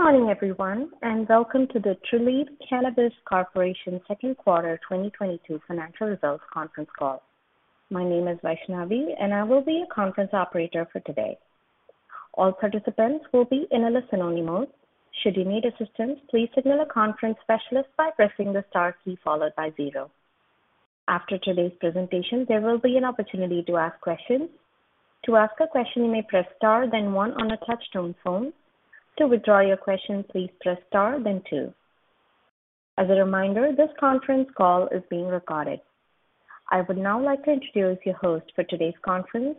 Good morning everyone, and welcome to the Trulieve Cannabis Corporation second quarter 2022 financial results conference call. My name is Vaishnavi, and I will be your conference operator for today. All participants will be in a listen-only mode. Should you need assistance, please signal a conference specialist by pressing the star key followed by zero. After today's presentation, there will be an opportunity to ask questions. To ask a question, you may press star then one on a touch-tone phone. To withdraw your question, please press star then two. As a reminder, this conference call is being recorded. I would now like to introduce your host for today's conference,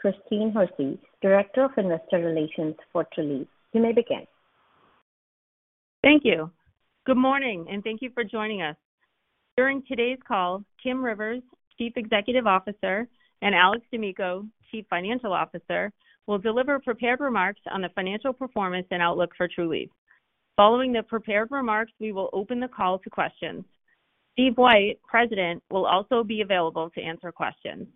Christine Hersey, Director of Investor Relations for Trulieve. You may begin. Thank you. Good morning, and thank you for joining us. During today's call, Kim Rivers, Chief Executive Officer, and Alex D'Amico, Chief Financial Officer, will deliver prepared remarks on the financial performance and outlook for Trulieve. Following the prepared remarks, we will open the call to questions. Steve White, President, will also be available to answer questions.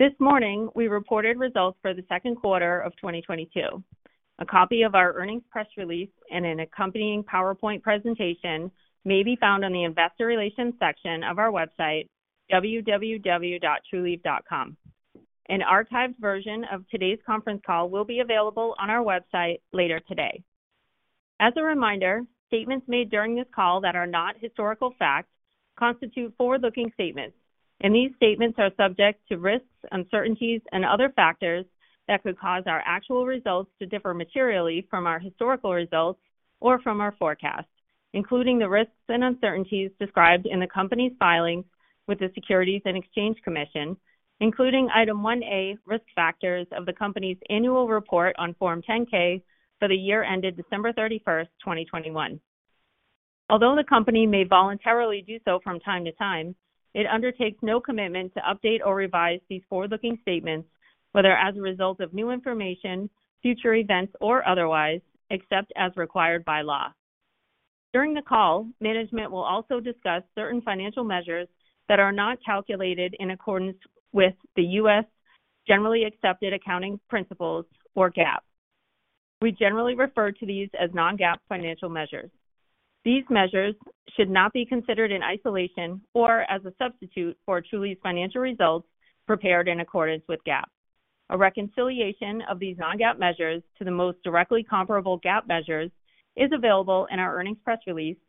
This morning, we reported results for the second quarter of 2022. A copy of our earnings press release and an accompanying PowerPoint presentation may be found on the Investor Relations section of our website, www.trulieve.com. An archived version of today's conference call will be available on our website later today. As a reminder, statements made during this call that are not historical facts constitute forward-looking statements, and these statements are subject to risks, uncertainties, and other factors that could cause our actual results to differ materially from our historical results or from our forecasts, including the risks and uncertainties described in the company's filings with the Securities and Exchange Commission, including Item 1A, Risk Factors of the company's Annual Report on Form 10-K for the year ended December 31st, 2021. Although the company may voluntarily do so from time to time, it undertakes no commitment to update or revise these forward-looking statements, whether as a result of new information, future events, or otherwise, except as required by law. During the call, management will also discuss certain financial measures that are not calculated in accordance with U.S. generally accepted accounting principles, or GAAP. We generally refer to these as non-GAAP financial measures. These measures should not be considered in isolation or as a substitute for Trulieve's financial results prepared in accordance with GAAP. A reconciliation of these non-GAAP measures to the most directly comparable GAAP measures is available in our earnings press releases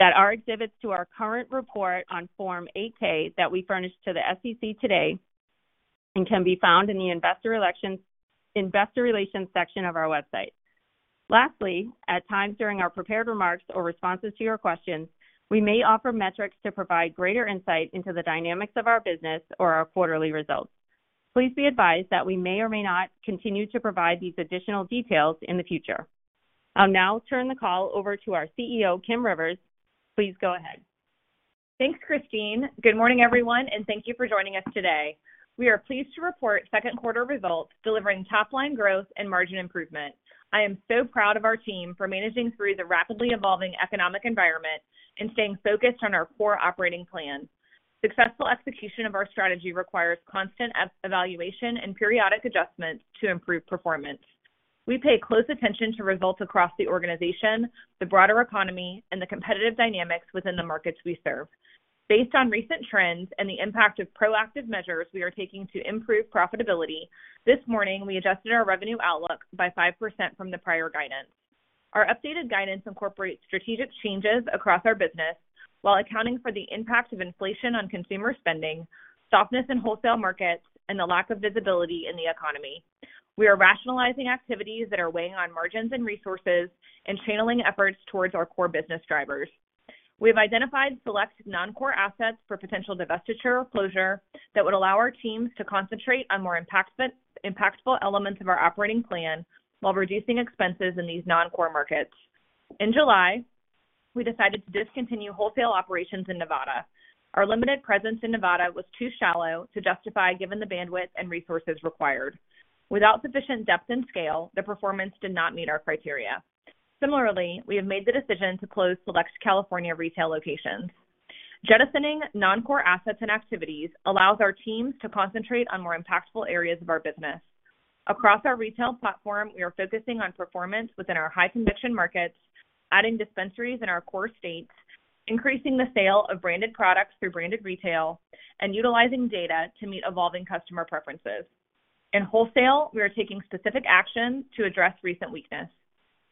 that are exhibits to our current report on Form 8-K that we furnished to the SEC today and can be found in the Investor Relations section of our website. Lastly, at times during our prepared remarks or responses to your questions, we may offer metrics to provide greater insight into the dynamics of our business or our quarterly results. Please be advised that we may or may not continue to provide these additional details in the future. I'll now turn the call over to our CEO, Kim Rivers. Please go ahead. Thanks, Christine. Good morning, everyone, and thank you for joining us today. We are pleased to report second quarter results delivering top line growth and margin improvement. I am so proud of our team for managing through the rapidly evolving economic environment and staying focused on our core operating plan. Successful execution of our strategy requires constant evaluation and periodic adjustments to improve performance. We pay close attention to results across the organization, the broader economy, and the competitive dynamics within the markets we serve. Based on recent trends and the impact of proactive measures we are taking to improve profitability, this morning we adjusted our revenue outlook by 5% from the prior guidance. Our updated guidance incorporates strategic changes across our business while accounting for the impact of inflation on consumer spending, softness in wholesale markets, and the lack of visibility in the economy. We are rationalizing activities that are weighing on margins and resources and channeling efforts towards our core business drivers. We have identified select non-core assets for potential divestiture or closure that would allow our teams to concentrate on more impactful elements of our operating plan while reducing expenses in these non-core markets. In July, we decided to discontinue wholesale operations in Nevada. Our limited presence in Nevada was too shallow to justify given the bandwidth and resources required. Without sufficient depth and scale, the performance did not meet our criteria. Similarly, we have made the decision to close select California retail locations. Jettisoning non-core assets and activities allows our teams to concentrate on more impactful areas of our business. Across our retail platform, we are focusing on performance within our high conviction markets, adding dispensaries in our core states, increasing the sale of branded products through branded retail, and utilizing data to meet evolving customer preferences. In wholesale, we are taking specific action to address recent weakness.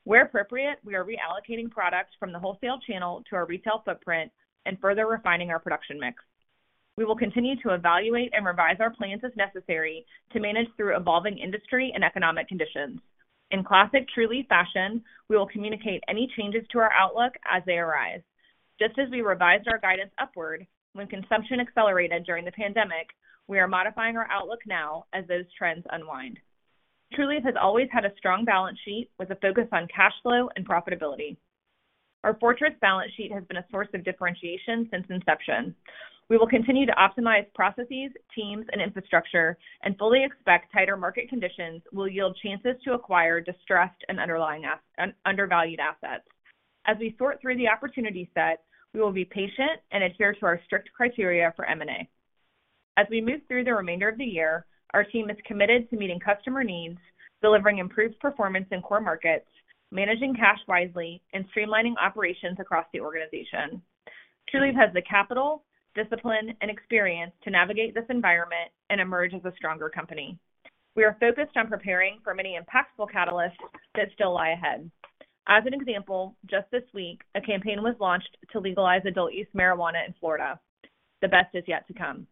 Where appropriate, we are reallocating products from the wholesale channel to our retail footprint and further refining our production mix. We will continue to evaluate and revise our plans as necessary to manage through evolving industry and economic conditions. In classic Trulieve fashion, we will communicate any changes to our outlook as they arise. Just as we revised our guidance upward when consumption accelerated during the pandemic, we are modifying our outlook now as those trends unwind. Trulieve has always had a strong balance sheet with a focus on cash flow and profitability. Our fortress balance sheet has been a source of differentiation since inception. We will continue to optimize processes, teams, and infrastructure and fully expect tighter market conditions will yield chances to acquire distressed and undervalued assets. As we sort through the opportunity set, we will be patient and adhere to our strict criteria for M&A. As we move through the remainder of the year, our team is committed to meeting customer needs, delivering improved performance in core markets, managing cash wisely, and streamlining operations across the organization. Trulieve has the capital, discipline, and experience to navigate this environment and emerge as a stronger company. We are focused on preparing for many impactful catalysts that still lie ahead. As an example, just this week, a campaign was launched to legalize adult-use marijuana in Florida. The best is yet to come.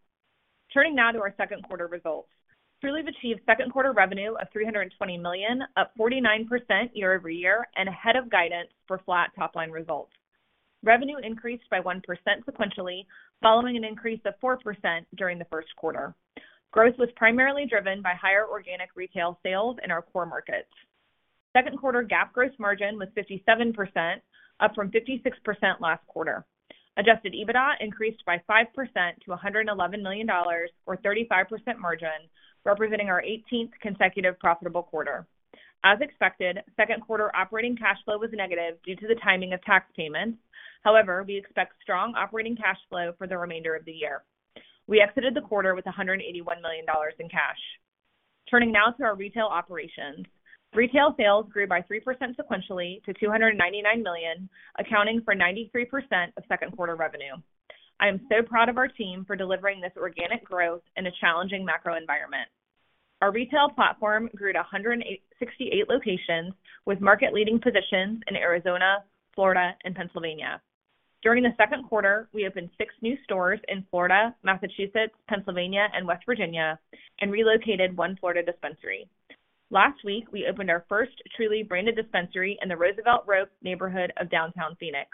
Turning now to our second quarter results. Trulieve achieved second quarter revenue of $320 million, up 49% year-over-year and ahead of guidance for flat top-line results. Revenue increased by 1% sequentially, following an increase of 4% during the first quarter. Growth was primarily driven by higher organic retail sales in our core markets. Second quarter GAAP gross margin was 57%, up from 56% last quarter. Adjusted EBITDA increased by 5% to $111 million or 35% margin, representing our 18th consecutive profitable quarter. As expected, second quarter operating cash flow was negative due to the timing of tax payments. However, we expect strong operating cash flow for the remainder of the year. We exited the quarter with $181 million in cash. Turning now to our retail operations. Retail sales grew by 3% sequentially to $299 million, accounting for 93% of second quarter revenue. I am so proud of our team for delivering this organic growth in a challenging macro environment. Our retail platform grew to 168 locations with market-leading positions in Arizona, Florida, and Pennsylvania. During the second quarter, we opened six new stores in Florida, Massachusetts, Pennsylvania, and West Virginia, and relocated one Florida dispensary. Last week, we opened our first Trulieve-branded dispensary in the Roosevelt Row neighborhood of downtown Phoenix.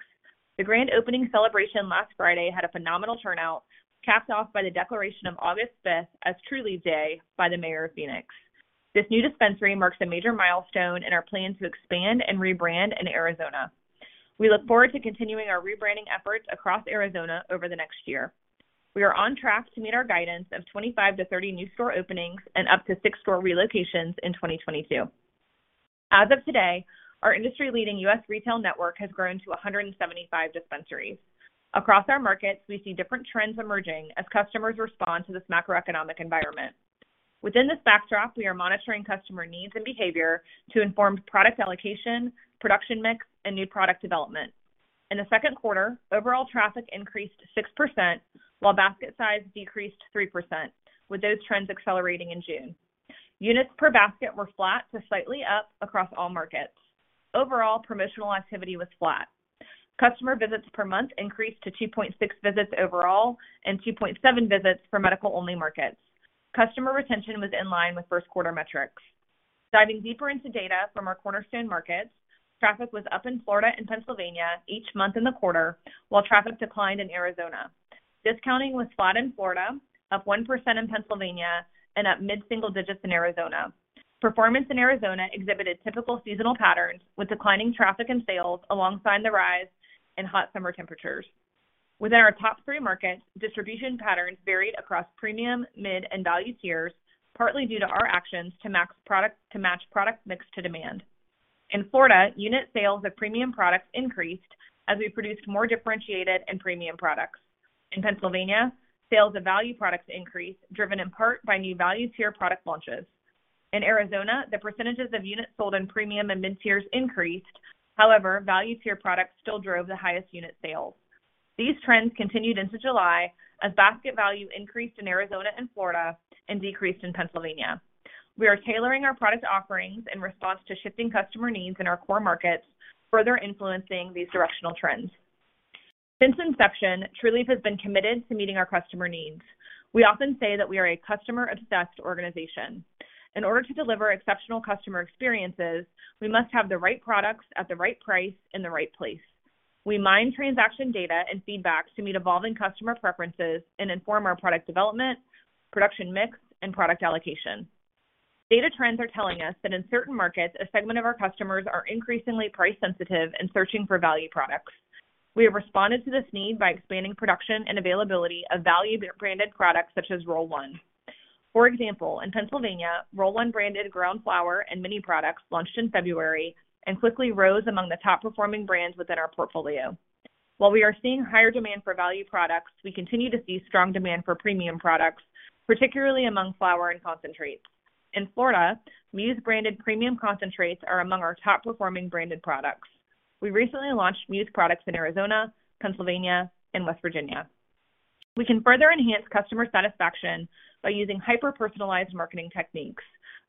The grand opening celebration last Friday had a phenomenal turnout, capped off by the declaration of August 5th as Trulieve Day by the Mayor of Phoenix. This new dispensary marks a major milestone in our plan to expand and rebrand in Arizona. We look forward to continuing our rebranding efforts across Arizona over the next year. We are on track to meet our guidance of 25-30 new store openings and up to six store relocations in 2022. As of today, our industry-leading U.S. retail network has grown to 175 dispensaries. Across our markets, we see different trends emerging as customers respond to this macroeconomic environment. Within this backdrop, we are monitoring customer needs and behavior to inform product allocation, production mix, and new product development. In the second quarter, overall traffic increased 6%, while basket size decreased 3%, with those trends accelerating in June. Units per basket were flat to slightly up across all markets. Overall, promotional activity was flat. Customer visits per month increased to 2.6 visits overall and 2.7 visits for medical-only markets. Customer retention was in line with first quarter metrics. Diving deeper into data from our cornerstone markets, traffic was up in Florida and Pennsylvania each month in the quarter, while traffic declined in Arizona. Discounting was flat in Florida, up 1% in Pennsylvania, and up mid-single digits in Arizona. Performance in Arizona exhibited typical seasonal patterns with declining traffic and sales alongside the rise in hot summer temperatures. Within our top three markets, distribution patterns varied across premium, mid, and value tiers, partly due to our actions to match product mix to demand. In Florida, unit sales of premium products increased as we produced more differentiated and premium products. In Pennsylvania, sales of value products increased, driven in part by new value tier product launches. In Arizona, the percentages of units sold in premium and mid tiers increased. However, value tier products still drove the highest unit sales. These trends continued into July as basket value increased in Arizona and Florida and decreased in Pennsylvania. We are tailoring our product offerings in response to shifting customer needs in our core markets, further influencing these directional trends. Since inception, Trulieve has been committed to meeting our customer needs. We often say that we are a customer-obsessed organization. In order to deliver exceptional customer experiences, we must have the right products at the right price in the right place. We mine transaction data and feedback to meet evolving customer preferences and inform our product development, production mix, and product allocation. Data trends are telling us that in certain markets, a segment of our customers are increasingly price sensitive and searching for value products. We have responded to this need by expanding production and availability of value branded products such as Roll One. For example, in Pennsylvania, Roll One-branded ground flower and many products launched in February and quickly rose among the top-performing brands within our portfolio. While we are seeing higher demand for value products, we continue to see strong demand for premium products, particularly among flower and concentrates. In Florida, Muse-branded premium concentrates are among our top-performing branded products. We recently launched Muse products in Arizona, Pennsylvania, and West Virginia. We can further enhance customer satisfaction by using hyper-personalized marketing techniques.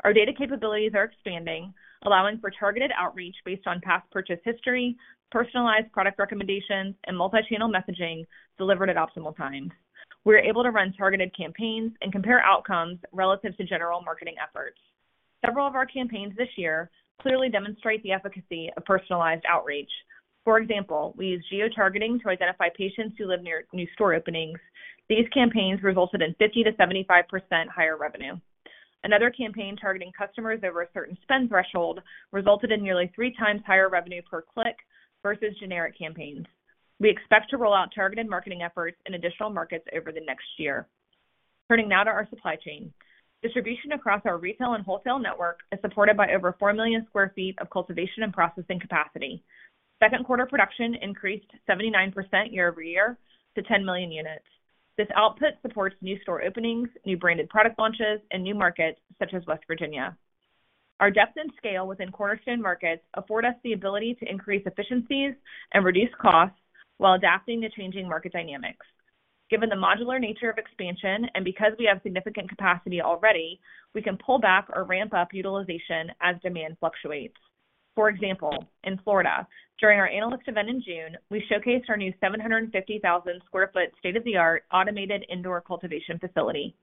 Our data capabilities are expanding, allowing for targeted outreach based on past purchase history, personalized product recommendations, and multi-channel messaging delivered at optimal times. We are able to run targeted campaigns and compare outcomes relative to general marketing efforts. Several of our campaigns this year clearly demonstrate the efficacy of personalized outreach. For example, we use geotargeting to identify patients who live near new store openings. These campaigns resulted in 50%-75% higher revenue. Another campaign targeting customers over a certain spend threshold resulted in nearly 3x higher revenue per click versus generic campaigns. We expect to roll out targeted marketing efforts in additional markets over the next year. Turning now to our supply chain. Distribution across our retail and wholesale network is supported by over 4 million sq ft of cultivation and processing capacity. Second quarter production increased 79% year-over-year to 10 million units. This output supports new store openings, new branded product launches, and new markets such as West Virginia. Our depth and scale within cornerstone markets afford us the ability to increase efficiencies and reduce costs while adapting to changing market dynamics. Given the modular nature of expansion and because we have significant capacity already, we can pull back or ramp up utilization as demand fluctuates. For example, in Florida, during our analyst event in June, we showcased our new 750,000 sq ft state-of-the-art automated indoor cultivation facility.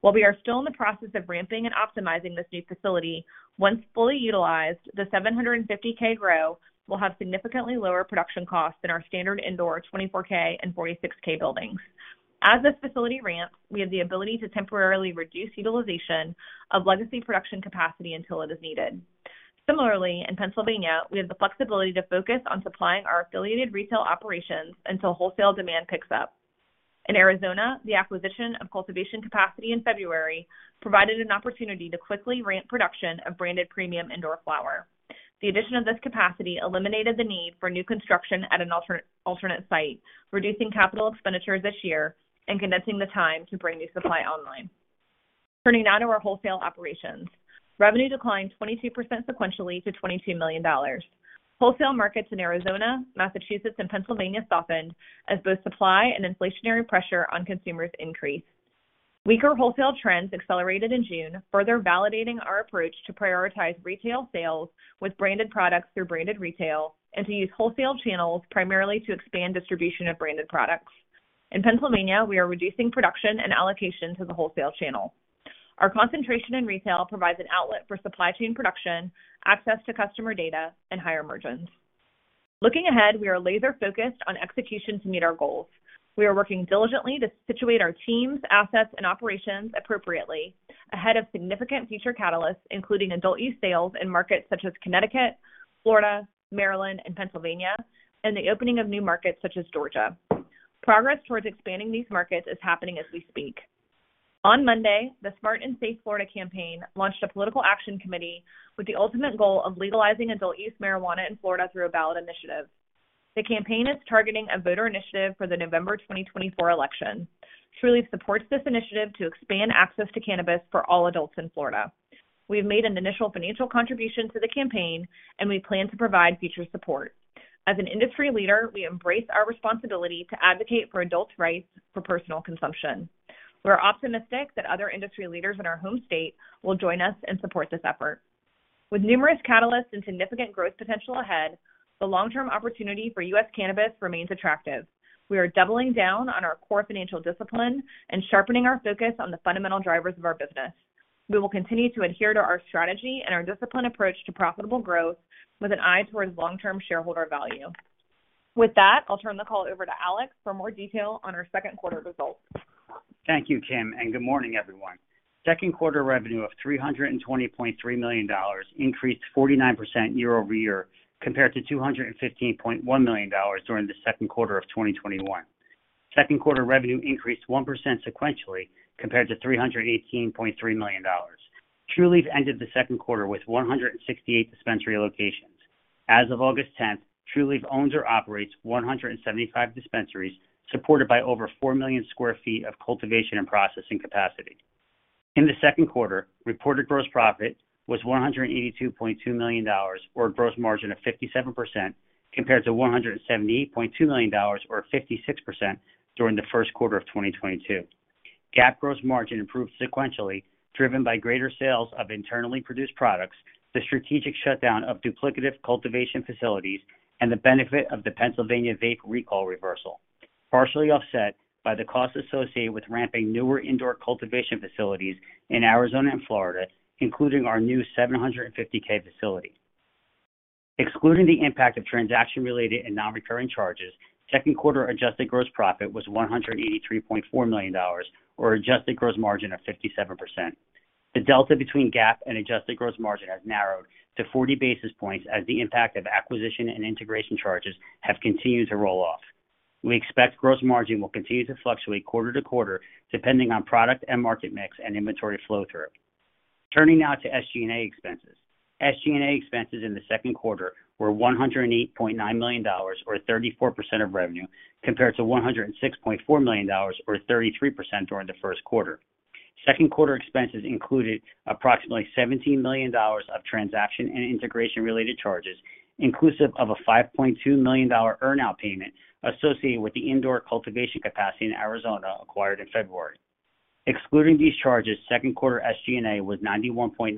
While we are still in the process of ramping and optimizing this new facility, once fully utilized, the 750,000 sq ft grow will have significantly lower production costs than our standard indoor 24,000 sq ft and 46,000 sq ft buildings. As this facility ramps, we have the ability to temporarily reduce utilization of legacy production capacity until it is needed. Similarly, in Pennsylvania, we have the flexibility to focus on supplying our affiliated retail operations until wholesale demand picks up. In Arizona, the acquisition of cultivation capacity in February provided an opportunity to quickly ramp production of branded premium indoor flower. The addition of this capacity eliminated the need for new construction at an alternate site, reducing capital expenditures this year and condensing the time to bring new supply online. Turning now to our wholesale operations. Revenue declined 22% sequentially to $22 million. Wholesale markets in Arizona, Massachusetts, and Pennsylvania softened as both supply and inflationary pressure on consumers increased. Weaker wholesale trends accelerated in June, further validating our approach to prioritize retail sales with branded products through branded retail and to use wholesale channels primarily to expand distribution of branded products. In Pennsylvania, we are reducing production and allocation to the wholesale channel. Our concentration in retail provides an outlet for supply chain production, access to customer data, and higher margins. Looking ahead, we are laser-focused on execution to meet our goals. We are working diligently to situate our teams, assets, and operations appropriately ahead of significant future catalysts, including adult use sales in markets such as Connecticut, Florida, Maryland, and Pennsylvania, and the opening of new markets such as Georgia. Progress towards expanding these markets is happening as we speak. On Monday, the Smart & Safe Florida campaign launched a political action committee with the ultimate goal of legalizing adult-use marijuana in Florida through a ballot initiative. The campaign is targeting a voter initiative for the November 2024 election. Trulieve supports this initiative to expand access to cannabis for all adults in Florida. We have made an initial financial contribution to the campaign, and we plan to provide future support. As an industry leader, we embrace our responsibility to advocate for adults' rights for personal consumption. We are optimistic that other industry leaders in our home state will join us and support this effort. With numerous catalysts and significant growth potential ahead, the long-term opportunity for U.S. cannabis remains attractive. We are doubling down on our core financial discipline and sharpening our focus on the fundamental drivers of our business. We will continue to adhere to our strategy and our disciplined approach to profitable growth with an eye towards long-term shareholder value. With that, I'll turn the call over to Alex for more detail on our second quarter results. Thank you, Kim, and good morning, everyone. Second quarter revenue of $320.3 million increased 49% year-over-year compared to $215.1 million during the second quarter of 2021. Second quarter revenue increased 1% sequentially compared to $318.3 million. Trulieve ended the second quarter with 168 dispensary locations. As of August 10th, Trulieve owns or operates 175 dispensaries supported by over 4 million sq ft of cultivation and processing capacity. In the second quarter, reported gross profit was $182.2 million or a gross margin of 57% compared to $178.2 million or 56% during the first quarter of 2022. GAAP gross margin improved sequentially, driven by greater sales of internally produced products, the strategic shutdown of duplicative cultivation facilities, and the benefit of the Pennsylvania vape recall reversal, partially offset by the costs associated with ramping newer indoor cultivation facilities in Arizona and Florida, including our new 750K facility. Excluding the impact of transaction-related and non-recurring charges, second quarter adjusted gross profit was $183.4 million or adjusted gross margin of 57%. The delta between GAAP and adjusted gross margin has narrowed to 40 basis points as the impact of acquisition and integration charges have continued to roll off. We expect gross margin will continue to fluctuate quarter to quarter, depending on product and market mix and inventory flow through. Turning now to SG&A expenses. SG&A expenses in the second quarter were $108.9 million or 34% of revenue, compared to $106.4 million or 33% during the first quarter. Second quarter expenses included approximately $17 million of transaction and integration-related charges, inclusive of a $5.2 million dollar earn-out payment associated with the indoor cultivation capacity in Arizona acquired in February. Excluding these charges, second quarter SG&A was $91.9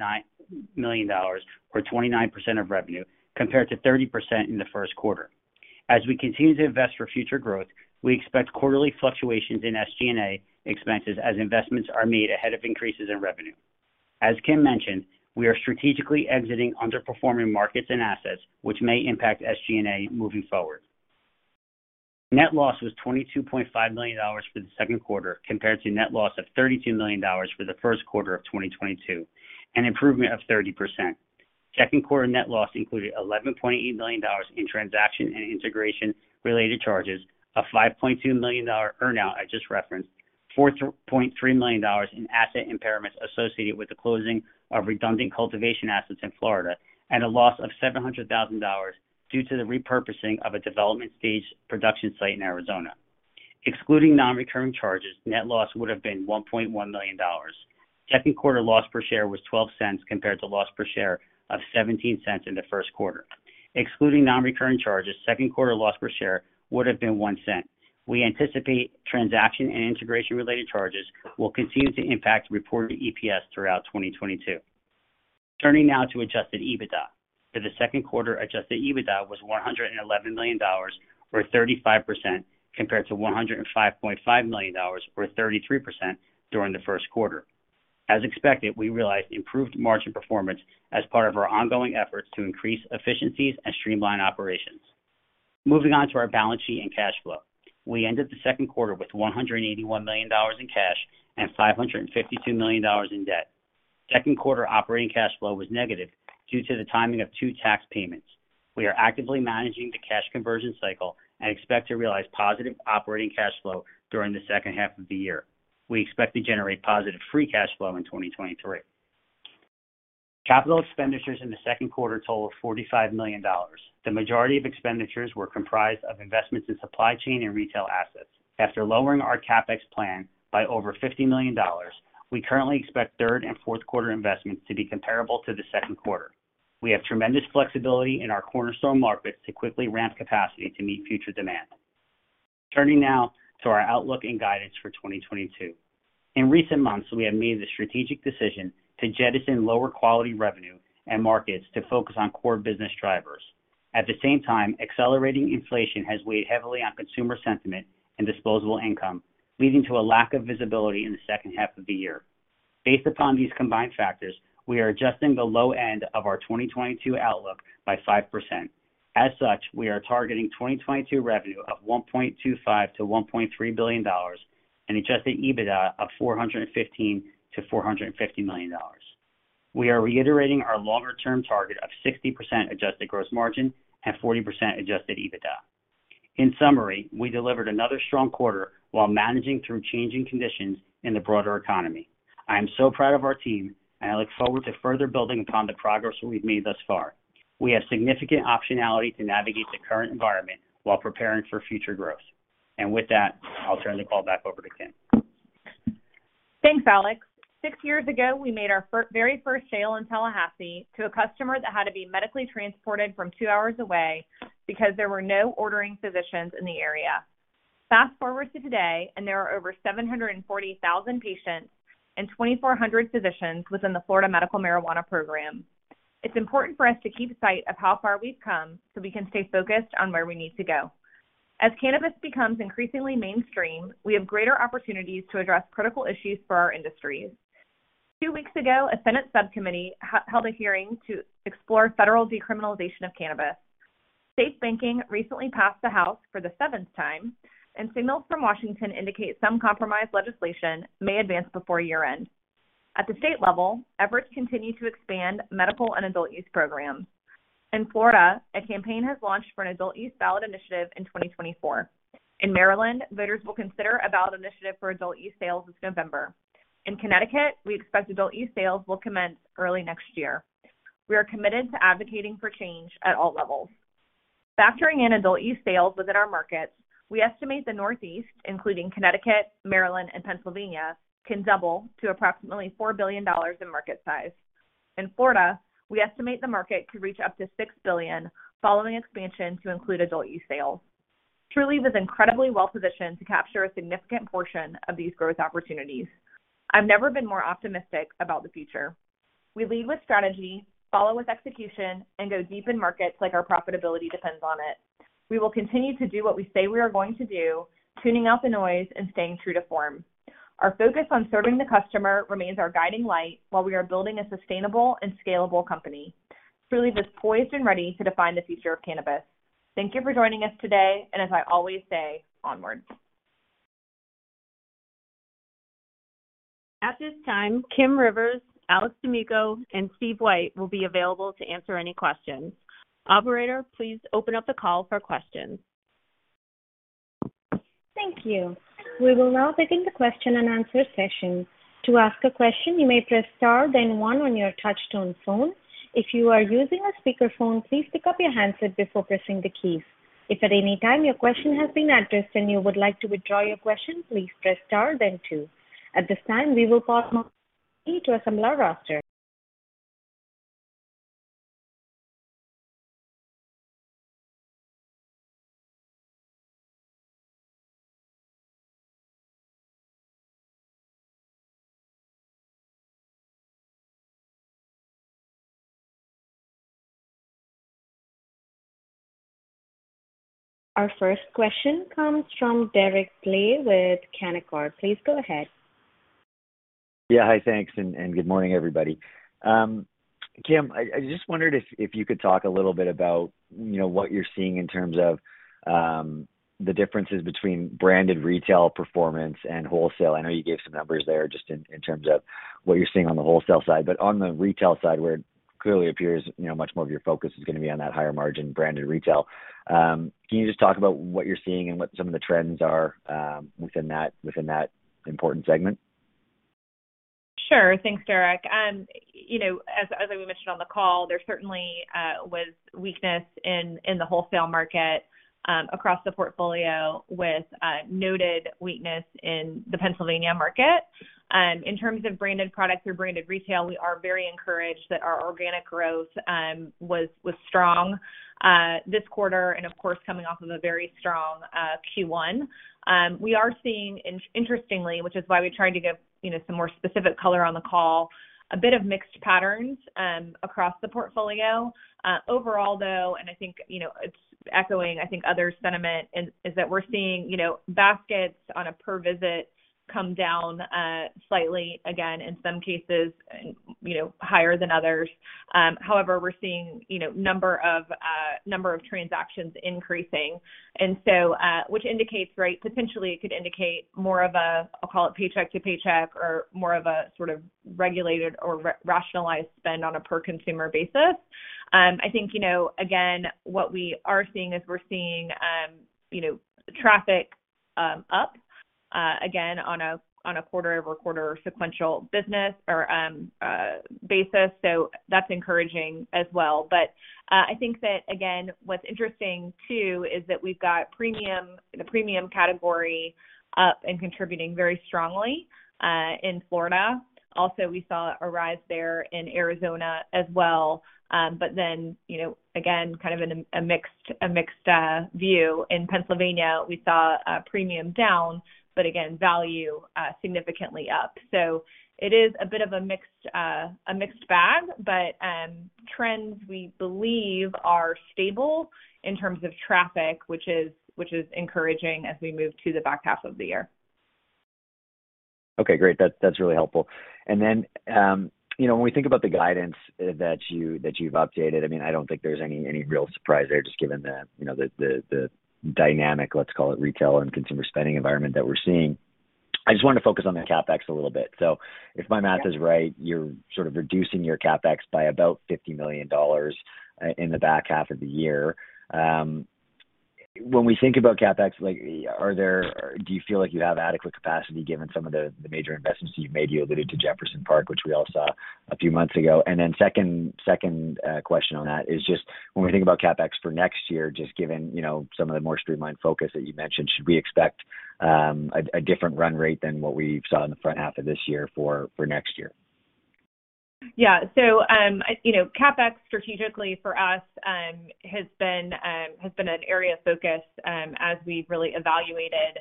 million or 29% of revenue compared to 30% in the first quarter. As we continue to invest for future growth, we expect quarterly fluctuations in SG&A expenses as investments are made ahead of increases in revenue. As Kim mentioned, we are strategically exiting underperforming markets and assets, which may impact SG&A moving forward. Net loss was $22.5 million for the second quarter compared to net loss of $32 million for the first quarter of 2022, an improvement of 30%. Second quarter net loss included $11.8 million in transaction and integration-related charges, a $5.2 million dollar earn out I just referenced, $4.3 million in asset impairments associated with the closing of redundant cultivation assets in Florida, and a loss of $700,000 due to the repurposing of a development stage production site in Arizona. Excluding non-recurring charges, net loss would have been $1.1 million. Second quarter loss per share was $0.12 compared to loss per share of $0.17 in the first quarter. Excluding non-recurring charges, second quarter loss per share would have been $0.01. We anticipate transaction and integration related charges will continue to impact reported EPS throughout 2022. Turning now to adjusted EBITDA. For the second quarter, adjusted EBITDA was $111 million, or 35% compared to $105.5 million or 33% during the first quarter. As expected, we realized improved margin performance as part of our ongoing efforts to increase efficiencies and streamline operations. Moving on to our balance sheet and cash flow. We ended the second quarter with $181 million in cash and $552 million in debt. Second quarter operating cash flow was negative due to the timing of two tax payments. We are actively managing the cash conversion cycle and expect to realize positive operating cash flow during the second half of the year. We expect to generate positive free cash flow in 2023. Capital expenditures in the second quarter totaled $45 million. The majority of expenditures were comprised of investments in supply chain and retail assets. After lowering our CapEx plan by over $50 million, we currently expect third and fourth quarter investments to be comparable to the second quarter. We have tremendous flexibility in our cornerstone markets to quickly ramp capacity to meet future demand. Turning now to our outlook and guidance for 2022. In recent months, we have made the strategic decision to jettison lower quality revenue and markets to focus on core business drivers. At the same time, accelerating inflation has weighed heavily on consumer sentiment and disposable income, leading to a lack of visibility in the second half of the year. Based upon these combined factors, we are adjusting the low end of our 2022 outlook by 5%. As such, we are targeting 2022 revenue of $1.25 billion-$1.3 billion and Adjusted EBITDA of $415 million-$450 million. We are reiterating our longer-term target of 60% adjusted gross margin and 40% Adjusted EBITDA. In summary, we delivered another strong quarter while managing through changing conditions in the broader economy. I am so proud of our team, and I look forward to further building upon the progress we've made thus far. We have significant optionality to navigate the current environment while preparing for future growth. With that, I'll turn the call back over to Kim. Thanks, Alex. Six years ago, we made our very first sale in Tallahassee to a customer that had to be medically transported from two hours away because there were no ordering physicians in the area. Fast-forward to today, and there are over 740,000 patients and 2,400 physicians within the Florida Medical Marijuana Program. It's important for us to keep sight of how far we've come so we can stay focused on where we need to go. As cannabis becomes increasingly mainstream, we have greater opportunities to address critical issues for our industry. Two weeks ago, a Senate subcommittee held a hearing to explore federal decriminalization of cannabis. Safe banking recently passed the House for the seventh time, and signals from Washington indicate some compromised legislation may advance before year-end. At the state level, efforts continue to expand medical and adult use programs. In Florida, a campaign has launched for an adult-use ballot initiative in 2024. In Maryland, voters will consider a ballot initiative for adult use sales this November. In Connecticut, we expect adult use sales will commence early next year. We are committed to advocating for change at all levels. Factoring in adult use sales within our markets, we estimate the Northeast, including Connecticut, Maryland, and Pennsylvania, can double to approximately $4 billion in market size. In Florida, we estimate the market could reach up to $6 billion following expansion to include adult-use sales. Trulieve is incredibly well-positioned to capture a significant portion of these growth opportunities. I've never been more optimistic about the future. We lead with strategy, follow with execution, and go deep in markets like our profitability depends on it. We will continue to do what we say we are going to do, tuning out the noise and staying true to form. Our focus on serving the customer remains our guiding light while we are building a sustainable and scalable company. Trulieve is poised and ready to define the future of cannabis. Thank you for joining us today, and as I always say, onwards. At this time, Kim Rivers, Alex D'Amico, and Steve White will be available to answer any questions. Operator, please open up the call for questions. Thank you. We will now begin the question-and-answer session. To ask a question, you may press star then one on your touch-tone phone. If you are using a speakerphone, please pick up your handset before pressing the keys. If at any time your question has been addressed and you would like to withdraw your question, please press star then two. At this time, we will pause to assemble our roster. Our first question comes from Derek Dley with Canaccord. Please go ahead. Yeah. Hi. Thanks, and good morning, everybody. Kim, I just wondered if you could talk a little bit about, you know, what you're seeing in terms of the differences between branded retail performance and wholesale. I know you gave some numbers there just in terms of what you're seeing on the wholesale side, but on the retail side, where it clearly appears, you know, much more of your focus is gonna be on that higher margin branded retail. Can you just talk about what you're seeing and what some of the trends are within that important segment? Sure. Thanks, Derek. You know, as we mentioned on the call, there certainly was weakness in the wholesale market across the portfolio with noted weakness in the Pennsylvania market. In terms of branded products or branded retail, we are very encouraged that our organic growth was strong this quarter and of course, coming off of a very strong Q1. We are seeing interestingly, which is why we tried to give you know, some more specific color on the call, a bit of mixed patterns across the portfolio. Overall, though, and I think you know, it's echoing I think other sentiment is that we're seeing you know, baskets on a per visit come down slightly again in some cases you know, higher than others. However, we're seeing, you know, number of transactions increasing. Which indicates, right, potentially it could indicate more of a, I'll call it paycheck to paycheck or more of a sort of regulated or rationalized spend on a per consumer basis. I think, you know, again, what we are seeing is we're seeing, you know, traffic up, again on a quarter-over-quarter sequential basis. That's encouraging as well. I think that, again, what's interesting too is that we've got the premium category up and contributing very strongly in Florida. Also, we saw it arrive there in Arizona as well. But then, you know, again, kind of in a mixed view. In Pennsylvania, we saw premium down, but again, value significantly up. It is a bit of a mixed bag, but trends we believe are stable in terms of traffic, which is encouraging as we move to the back half of the year. Okay, great. That's really helpful. You know, when we think about the guidance that you've updated, I mean, I don't think there's any real surprise there, just given the dynamic, let's call it retail and consumer spending environment that we're seeing. I just want to focus on the CapEx a little bit. If my math is right, you're sort of reducing your CapEx by about $50 million in the back half of the year. When we think about CapEx, like, do you feel like you have adequate capacity given some of the major investments that you've made? You alluded to Jefferson County, which we all saw a few months ago. Second question on that is just when we think about CapEx for next year, just given, you know, some of the more streamlined focus that you mentioned, should we expect a different run rate than what we saw in the front half of this year for next year? Yeah. You know, CapEx strategically for us has been an area of focus as we've really evaluated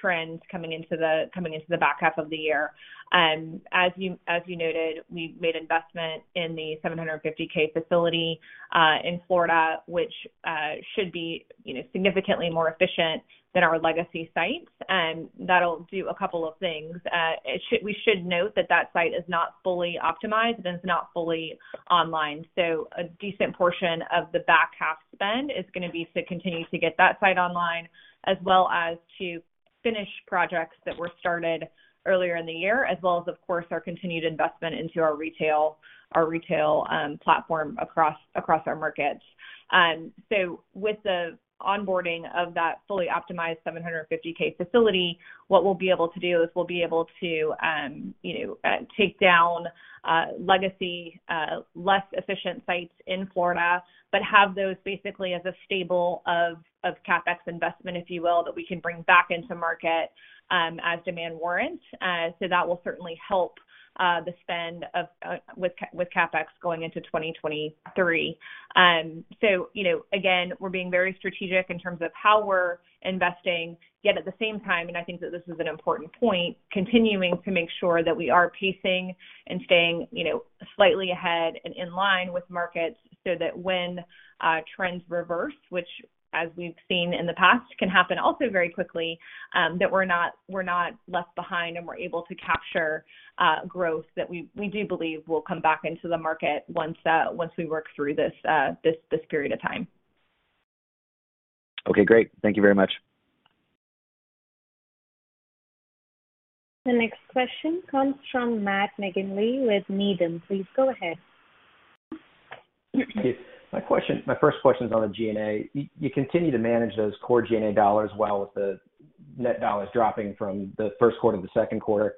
trends coming into the back half of the year. As you noted, we made investment in the 750,000 sq ft facility in Florida, which should be, you know, significantly more efficient than our legacy sites, and that'll do a couple of things. We should note that that site is not fully optimized and it's not fully online. A decent portion of the back half spend is gonna be to continue to get that site online as well as to finish projects that were started earlier in the year, as well as of course, our continued investment into our retail platform across our markets. With the onboarding of that fully optimized 750,000 sq ft facility, what we'll be able to do is, you know, take down legacy less efficient sites in Florida, but have those basically as a stable of CapEx investment, if you will, that we can bring back into market, as demand warrants. That will certainly help the spend with CapEx going into 2023. You know, again, we're being very strategic in terms of how we're investing. Yet at the same time, and I think that this is an important point, continuing to make sure that we are pacing and staying, you know, slightly ahead and in line with markets so that when trends reverse, which as we've seen in the past can happen also very quickly, that we're not left behind and we're able to capture growth that we do believe will come back into the market once we work through this period of time. Okay, great. Thank you very much. The next question comes from Matt McGinley with Needham. Please go ahead. Thank you. My first question is on the G&A. You continue to manage those core G&A dollars well with the net dollars dropping from the first quarter to the second quarter.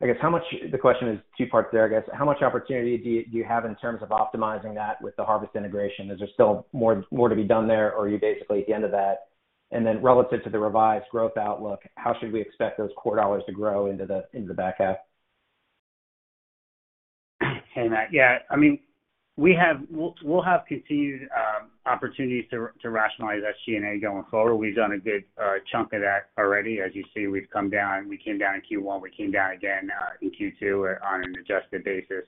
The question is two parts there, I guess. How much opportunity do you have in terms of optimizing that with the Harvest integration? Is there still more to be done there or are you basically at the end of that? Relative to the revised growth outlook, how should we expect those core dollars to grow into the back half? Hey, Matt. Yeah, I mean, we'll have continued opportunities to rationalize that G&A going forward. We've done a good chunk of that already. As you see, we've come down. We came down in Q1, we came down again in Q2 on an adjusted basis.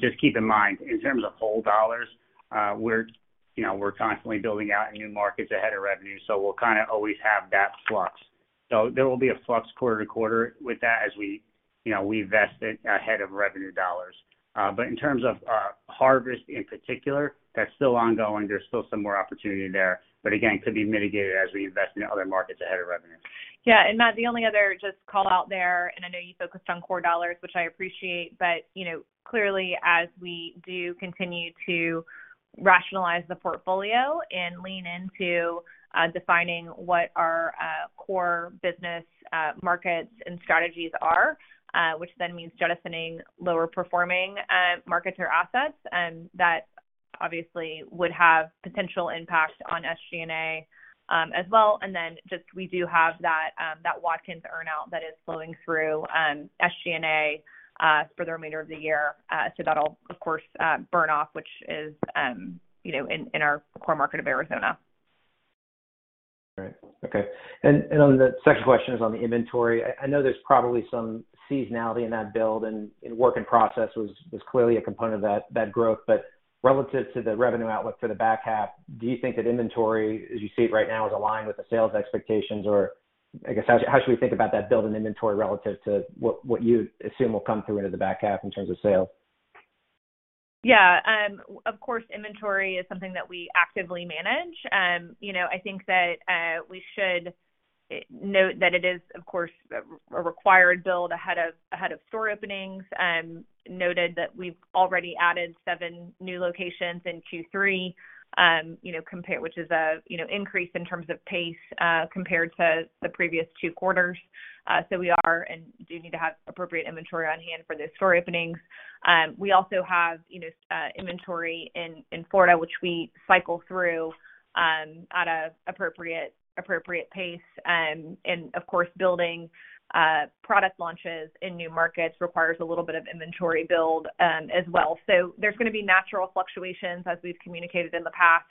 Just keep in mind, in terms of whole dollars, we're, you know, we're constantly building out new markets ahead of revenue, so we'll kinda always have that flux. There will be a flux quarter-to-quarter with that as we, you know, we invest it ahead of revenue dollars. In terms of Harvest in particular, that's still ongoing. There's still some more opportunity there. Again, it could be mitigated as we invest in other markets ahead of revenue. Yeah. Matt, the only other just call out there, and I know you focused on core dollars, which I appreciate. You know, clearly as we do continue to rationalize the portfolio and lean into defining what our core business markets and strategies are, which then means jettisoning lower performing markets or assets, obviously would have potential impact on SG&A as well. We do have that Watkins earnout that is flowing through SG&A for the remainder of the year. That'll of course burn off, which is, you know, in our core market of Arizona. Right. Okay. On the second question is on the inventory. I know there's probably some seasonality in that build and work in process was clearly a component of that growth. Relative to the revenue outlook for the back half, do you think that inventory as you see it right now is aligned with the sales expectations? Or I guess how should we think about that build in inventory relative to what you assume will come through into the back half in terms of sales? Yeah. Of course, inventory is something that we actively manage. You know, I think that we should note that it is of course a required build ahead of store openings. Note that we've already added seven new locations in Q3, you know, which is an increase in terms of pace compared to the previous two quarters. We are and do need to have appropriate inventory on hand for those store openings. We also have, you know, inventory in Florida, which we cycle through at an appropriate pace. Of course, building product launches in new markets requires a little bit of inventory build as well. There's gonna be natural fluctuations as we've communicated in the past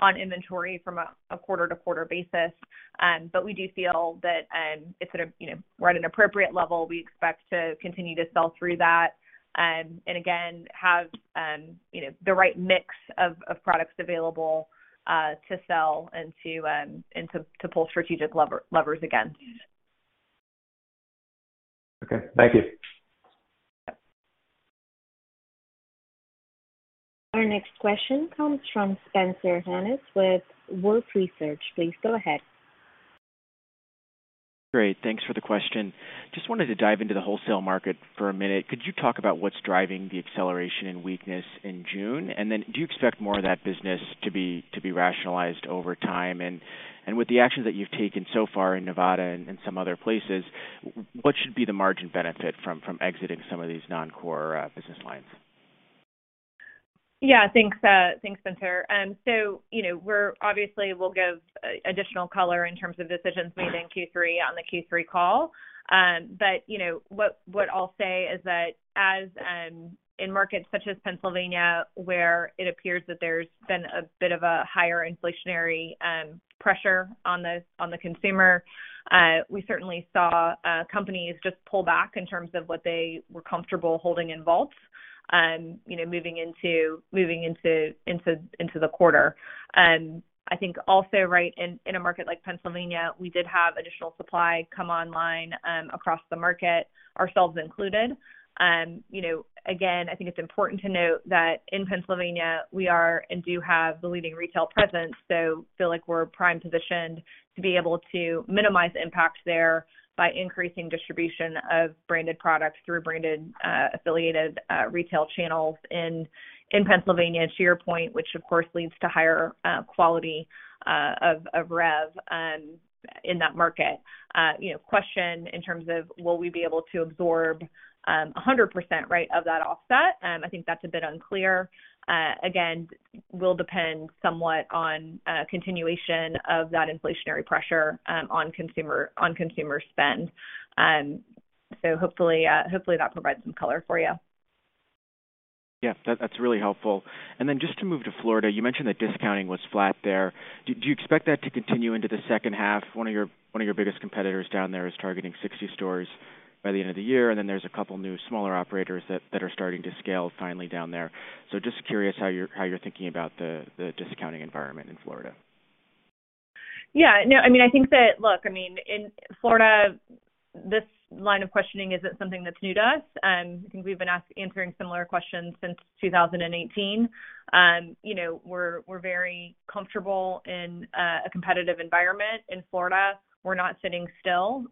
on inventory from a quarter-to-quarter basis. We do feel that, you know, we're at an appropriate level. We expect to continue to sell through that, and again, have, you know, the right mix of products available to sell and to pull strategic levers against. Okay, thank you. Yeah. Our next question comes from Spencer Hanus with Wolfe Research. Please go ahead. Great. Thanks for the question. Just wanted to dive into the wholesale market for a minute. Could you talk about what's driving the acceleration and weakness in June? Do you expect more of that business to be rationalized over time? With the actions that you've taken so far in Nevada and some other places, what should be the margin benefit from exiting some of these non-core business lines? Yeah, thanks, Spencer. So, you know, we're obviously we'll give additional color in terms of decisions made in Q3 — on the Q3 call. But you know, what I'll say is that as in markets such as Pennsylvania where it appears that there's been a bit of a higher inflationary pressure on the consumer, we certainly saw companies just pull back in terms of what they were comfortable holding in vaults, you know, moving into the quarter. I think also, right, in a market like Pennsylvania, we did have additional supply come online across the market, ourselves included. You know, again, I think it's important to note that in Pennsylvania we are and do have the leading retail presence, so feel like we're prime positioned to be able to minimize impact there by increasing distribution of branded products through branded, affiliated, retail channels in Pennsylvania, to your point, which of course leads to higher quality of rev in that market. You know, question in terms of will we be able to absorb 100% right, of that offset, I think that's a bit unclear. Again, will depend somewhat on continuation of that inflationary pressure on consumer spend. Hopefully that provides some color for you. Yeah, that's really helpful. Just to move to Florida, you mentioned that discounting was flat there. Do you expect that to continue into the second half? One of your biggest competitors down there is targeting 60 stores by the end of the year, and then there's a couple new smaller operators that are starting to scale finally down there. Just curious how you're thinking about the discounting environment in Florida. Yeah. No, I mean, I think that. Look, I mean in Florida, this line of questioning isn't something that's new to us. I think we've been answering similar questions since 2018. You know, we're very comfortable in a competitive environment in Florida. We're not sitting still.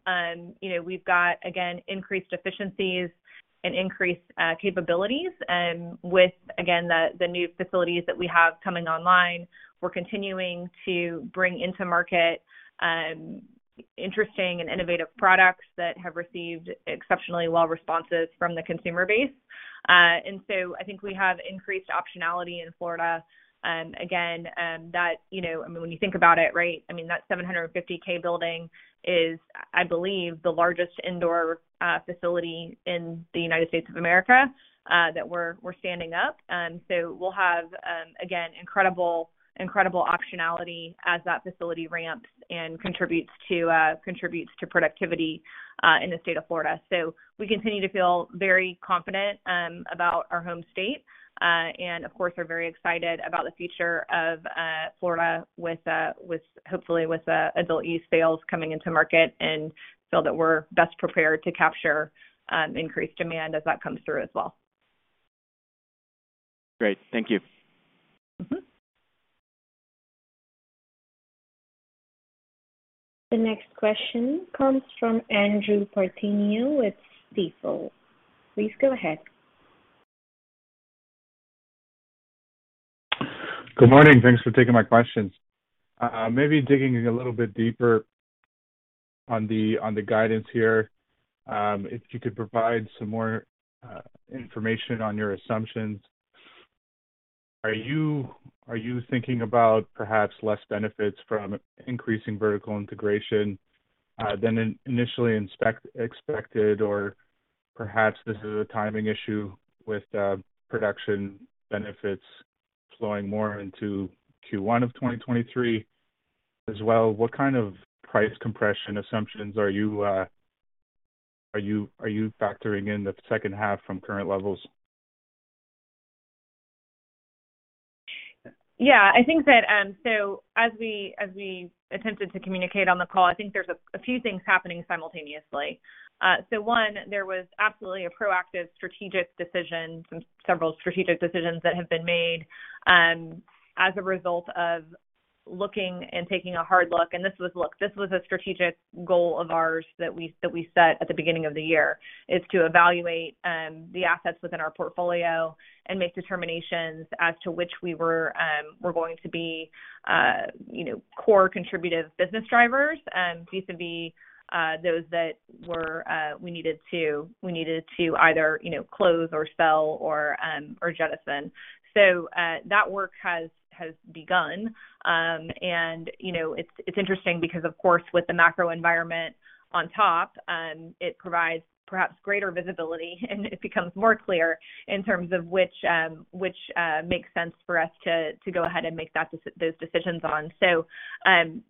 You know, we've got, again, increased efficiencies and increased capabilities with again, the new facilities that we have coming online. We're continuing to bring into market interesting and innovative products that have received exceptionally well responses from the consumer base. I think we have increased optionality in Florida. You know, I mean, when you think about it, right, I mean that 750,000 sq ft building is, I believe, the largest indoor facility in the United States of America that we're standing up. We'll have, again, incredible optionality as that facility ramps and contributes to productivity in the state of Florida. We continue to feel very confident about our home state and, of course, are very excited about the future of Florida with hopefully adult use sales coming into market and feel that we're best prepared to capture increased demand as that comes through as well. Great. Thank you. Mm-hmm. The next question comes from Andrew Partheniou with Stifel. Please go ahead. Good morning. Thanks for taking my questions. Maybe digging a little bit deeper on the guidance here, if you could provide some more information on your assumptions. Are you thinking about perhaps less benefits from increasing vertical integration than initially expected, or perhaps this is a timing issue with production benefits flowing more into Q1 of 2023? As well, what kind of price compression assumptions are you factoring in the second half from current levels? Yeah, I think that as we attempted to communicate on the call, I think there's a few things happening simultaneously. One, there was absolutely a proactive strategic decision, several strategic decisions that have been made as a result of looking and taking a hard look. This was a strategic goal of ours that we set at the beginning of the year is to evaluate the assets within our portfolio and make determinations as to which we were going to be, you know, core contributive business drivers vis-à-vis those that were, we needed to either, you know, close or sell or jettison. That work has begun. You know, it's interesting because, of course, with the macro environment on top, it provides perhaps greater visibility, and it becomes more clear in terms of which makes sense for us to go ahead and make those decisions on.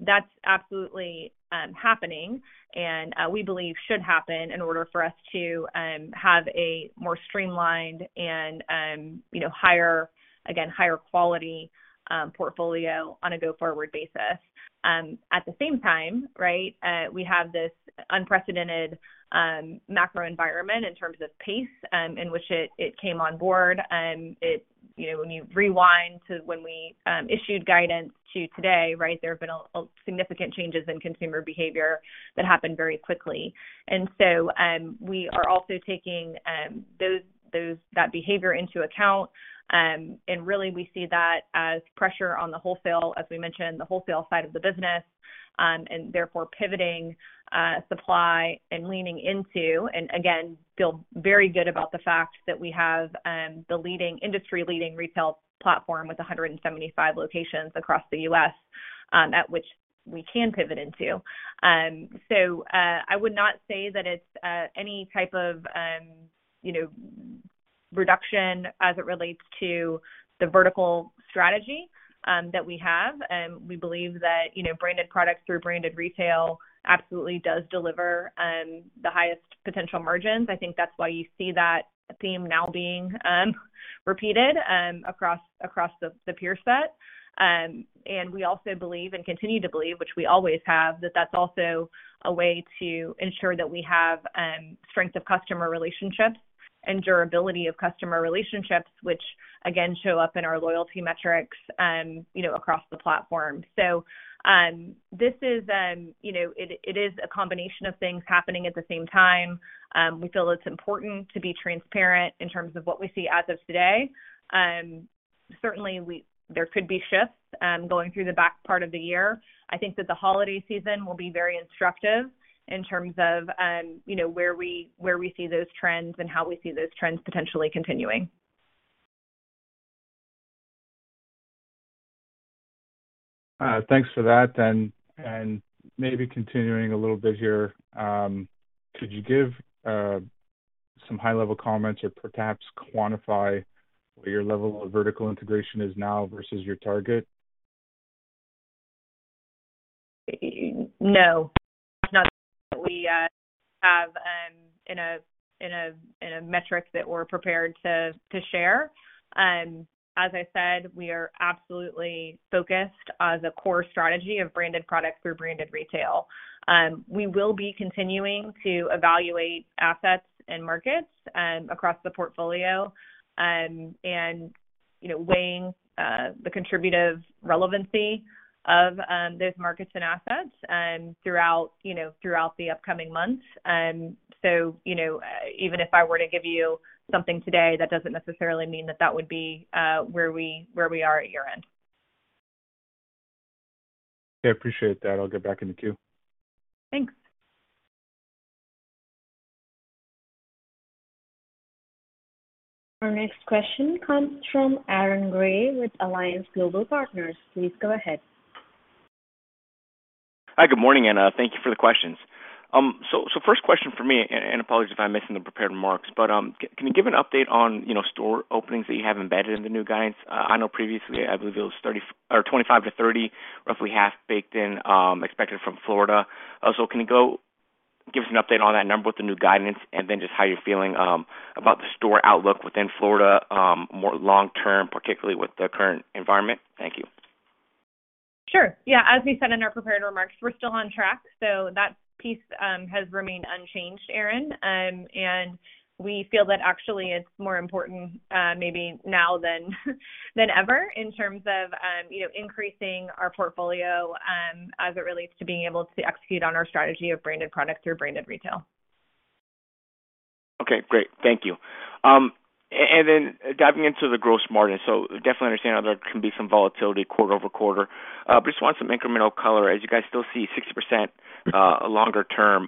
That's absolutely happening and we believe should happen in order for us to have a more streamlined and, you know, higher quality portfolio on a go-forward basis. At the same time, we have this unprecedented macro environment in terms of pace in which it came on board. You know, when you rewind to when we issued guidance to today, there have been significant changes in consumer behavior that happened very quickly. We are also taking that behavior into account. Really we see that as pressure on the wholesale, as we mentioned, the wholesale side of the business, and therefore pivoting supply and leaning into, and again, feel very good about the fact that we have the leading industry-leading retail platform with 175 locations across the U.S., at which we can pivot into. I would not say that it's any type of, you know, reduction as it relates to the vertical strategy that we have. We believe that, you know, branded products through branded retail absolutely does deliver the highest potential margins. I think that's why you see that theme now being repeated across the peer set. We also believe and continue to believe, which we always have, that that's also a way to ensure that we have strength of customer relationships and durability of customer relationships, which again show up in our loyalty metrics, you know, across the platform. This is, you know, it is a combination of things happening at the same time. We feel it's important to be transparent in terms of what we see as of today. Certainly there could be shifts, going through the back part of the year. I think that the holiday season will be very instructive in terms of, you know, where we see those trends and how we see those trends potentially continuing. Thanks for that. Maybe continuing a little bit here. Could you give some high-level comments or perhaps quantify where your level of vertical integration is now versus your target? No. That's not something that we have in a metric that we're prepared to share. As I said, we are absolutely focused on the core strategy of branded products through branded retail. We will be continuing to evaluate assets and markets across the portfolio, and you know, weighing the contributive relevancy of those markets and assets throughout you know the upcoming months. You know, even if I were to give you something today, that doesn't necessarily mean that would be where we are at year-end. Okay. I appreciate that. I'll get back in the queue. Thanks. Our next question comes from Aaron Grey with Alliance Global Partners. Please go ahead. Hi, good morning, and thank you for the questions. First question for me, and apologies if I'm missing the prepared remarks, but can you give an update on, you know, store openings that you have embedded in the new guidance? I know previously, I believe it was 30 or 25-30, roughly half baked in, expected from Florida. Can you give us an update on that number with the new guidance, and then just how you're feeling about the store outlook within Florida, more long term, particularly with the current environment? Thank you. Sure. Yeah. As we said in our prepared remarks, we're still on track, so that piece has remained unchanged, Aaron. We feel that actually it's more important, maybe now than ever in terms of, you know, increasing our portfolio as it relates to being able to execute on our strategy of branded products through branded retail. Okay, great. Thank you. And then diving into the gross margin. So definitely understand how there can be some volatility quarter-over-quarter. But just want some incremental color as you guys still see 60%, longer term,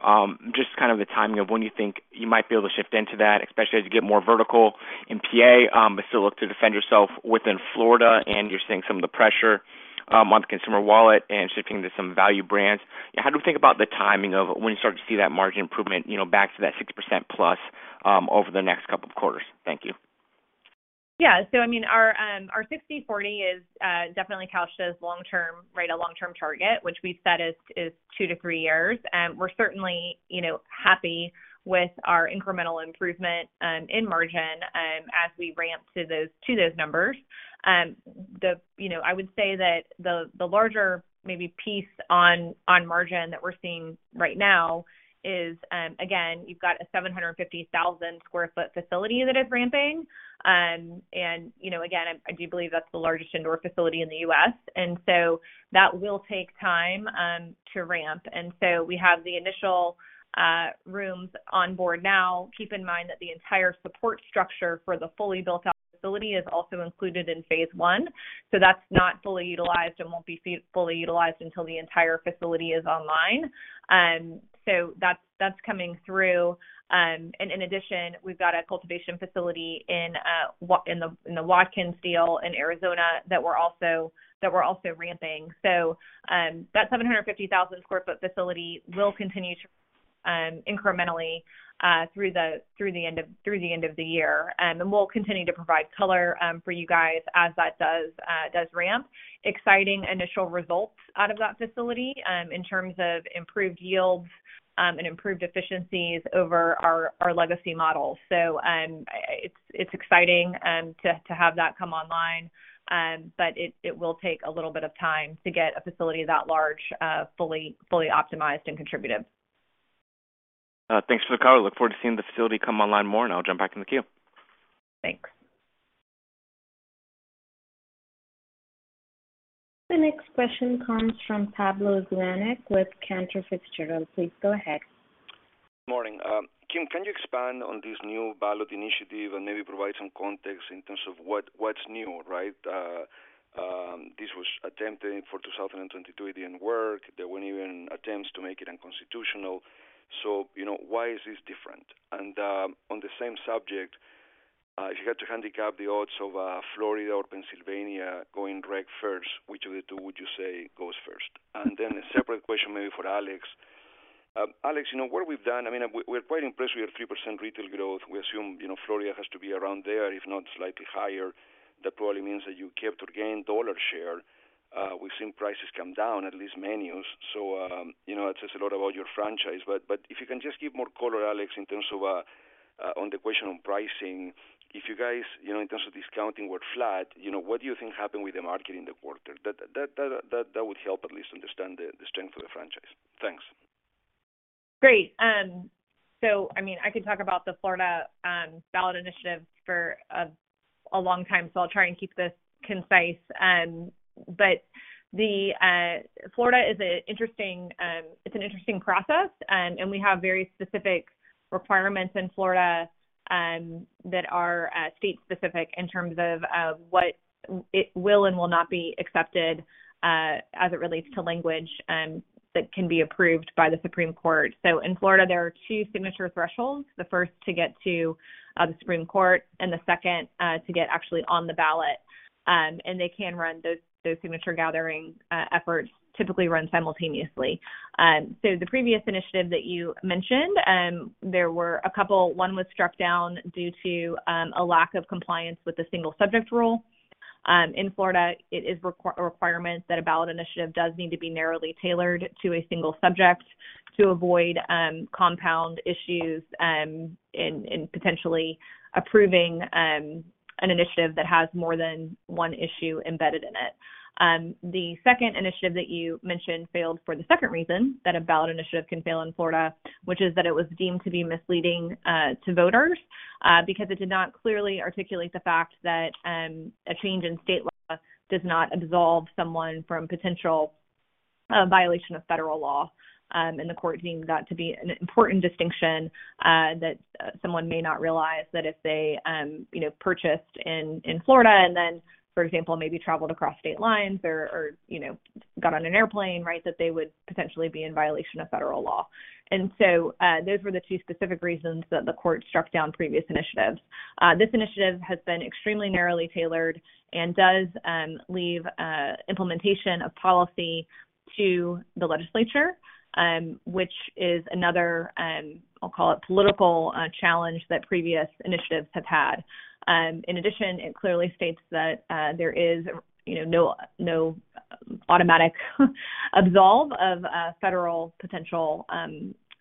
just kind of the timing of when you think you might be able to shift into that, especially as you get more vertical in P.A, but still look to defend yourself within Florida, and you're seeing some of the pressure on consumer wallet and shifting to some value brands. How do we think about the timing of when you start to see that margin improvement, you know, back to that 60%+, over the next couple of quarters? Thank you. Yeah. I mean, our 60/40 is definitely couched as long-term, right, a long-term target, which we've said is two to three years. We're certainly, you know, happy with our incremental improvement in margin as we ramp to those numbers. You know, I would say that the larger maybe piece on margin that we're seeing right now is, again, you've got a 750,000 sq ft facility that is ramping. You know, again, I do believe that's the largest indoor facility in the U.S., and so that will take time to ramp. We have the initial rooms on board now. Keep in mind that the entire support structure for the fully built out facility is also included in phase one. That's not fully utilized and won't be fully utilized until the entire facility is online. That's coming through. In addition, we've got a cultivation facility in the Watkins deal in Arizona that we're also ramping. That 750,000 sq ft facility will continue to incrementally through the end of the year. We'll continue to provide color for you guys as that does ramp. Exciting initial results out of that facility in terms of improved yields and improved efficiencies over our legacy model. It's exciting to have that come online. It will take a little bit of time to get a facility that large, fully optimized and contributive. Thanks for the call. I look forward to seeing the facility come online more, and I'll jump back in the queue. Thanks. The next question comes from Pablo Zuanic with Cantor Fitzgerald. Please go ahead. Morning. Kim, can you expand on this new ballot initiative and maybe provide some context in terms of what's new, right? This was attempted in 2022, it didn't work. There were even attempts to make it unconstitutional. You know, why is this different? On the same subject, if you had to handicap the odds of Florida or Pennsylvania going rec first, which of the two would you say goes first? Then a separate question maybe for Alex. Alex, you know, what we've done, I mean, we're quite impressed. We have 3% retail growth. We assume, you know, Florida has to be around there, if not slightly higher. That probably means that you kept or gained dollar share. We've seen prices come down, at least menus. You know, it says a lot about your franchise. If you can just give more color, Alex, in terms of on the question on pricing. If you guys, you know, in terms of discounting were flat, you know, what do you think happened with the market in the quarter? That would help at least understand the strength of the franchise. Thanks. Great. I mean, I could talk about the Florida ballot initiative for a long time, so I'll try and keep this concise. It's an interesting process, and we have very specific requirements in Florida that are state specific in terms of what it will and will not be accepted as it relates to language that can be approved by the Supreme Court. In Florida, there are two signature thresholds, the first to get to the Supreme Court and the second to get actually on the ballot. They can run those signature gathering efforts typically run simultaneously. The previous initiative that you mentioned, there were a couple. One was struck down due to a lack of compliance with the single-subject rule. In Florida, it is a requirement that a ballot initiative does need to be narrowly tailored to a single subject to avoid compound issues in potentially approving an initiative that has more than one issue embedded in it. The second initiative that you mentioned failed for the second reason that a ballot initiative can fail in Florida, which is that it was deemed to be misleading to voters because it did not clearly articulate the fact that a change in state law does not absolve someone from potential violation of federal law. The court deemed that to be an important distinction that someone may not realize that if they you know purchased in Florida and then for example maybe traveled across state lines or you know got on an airplane right that they would potentially be in violation of federal law. Those were the two specific reasons that the court struck down previous initiatives. This initiative has been extremely narrowly tailored and does leave implementation of policy to the legislature which is another I'll call it political challenge that previous initiatives have had. In addition it clearly states that there is you know no automatic absolution of Federal potential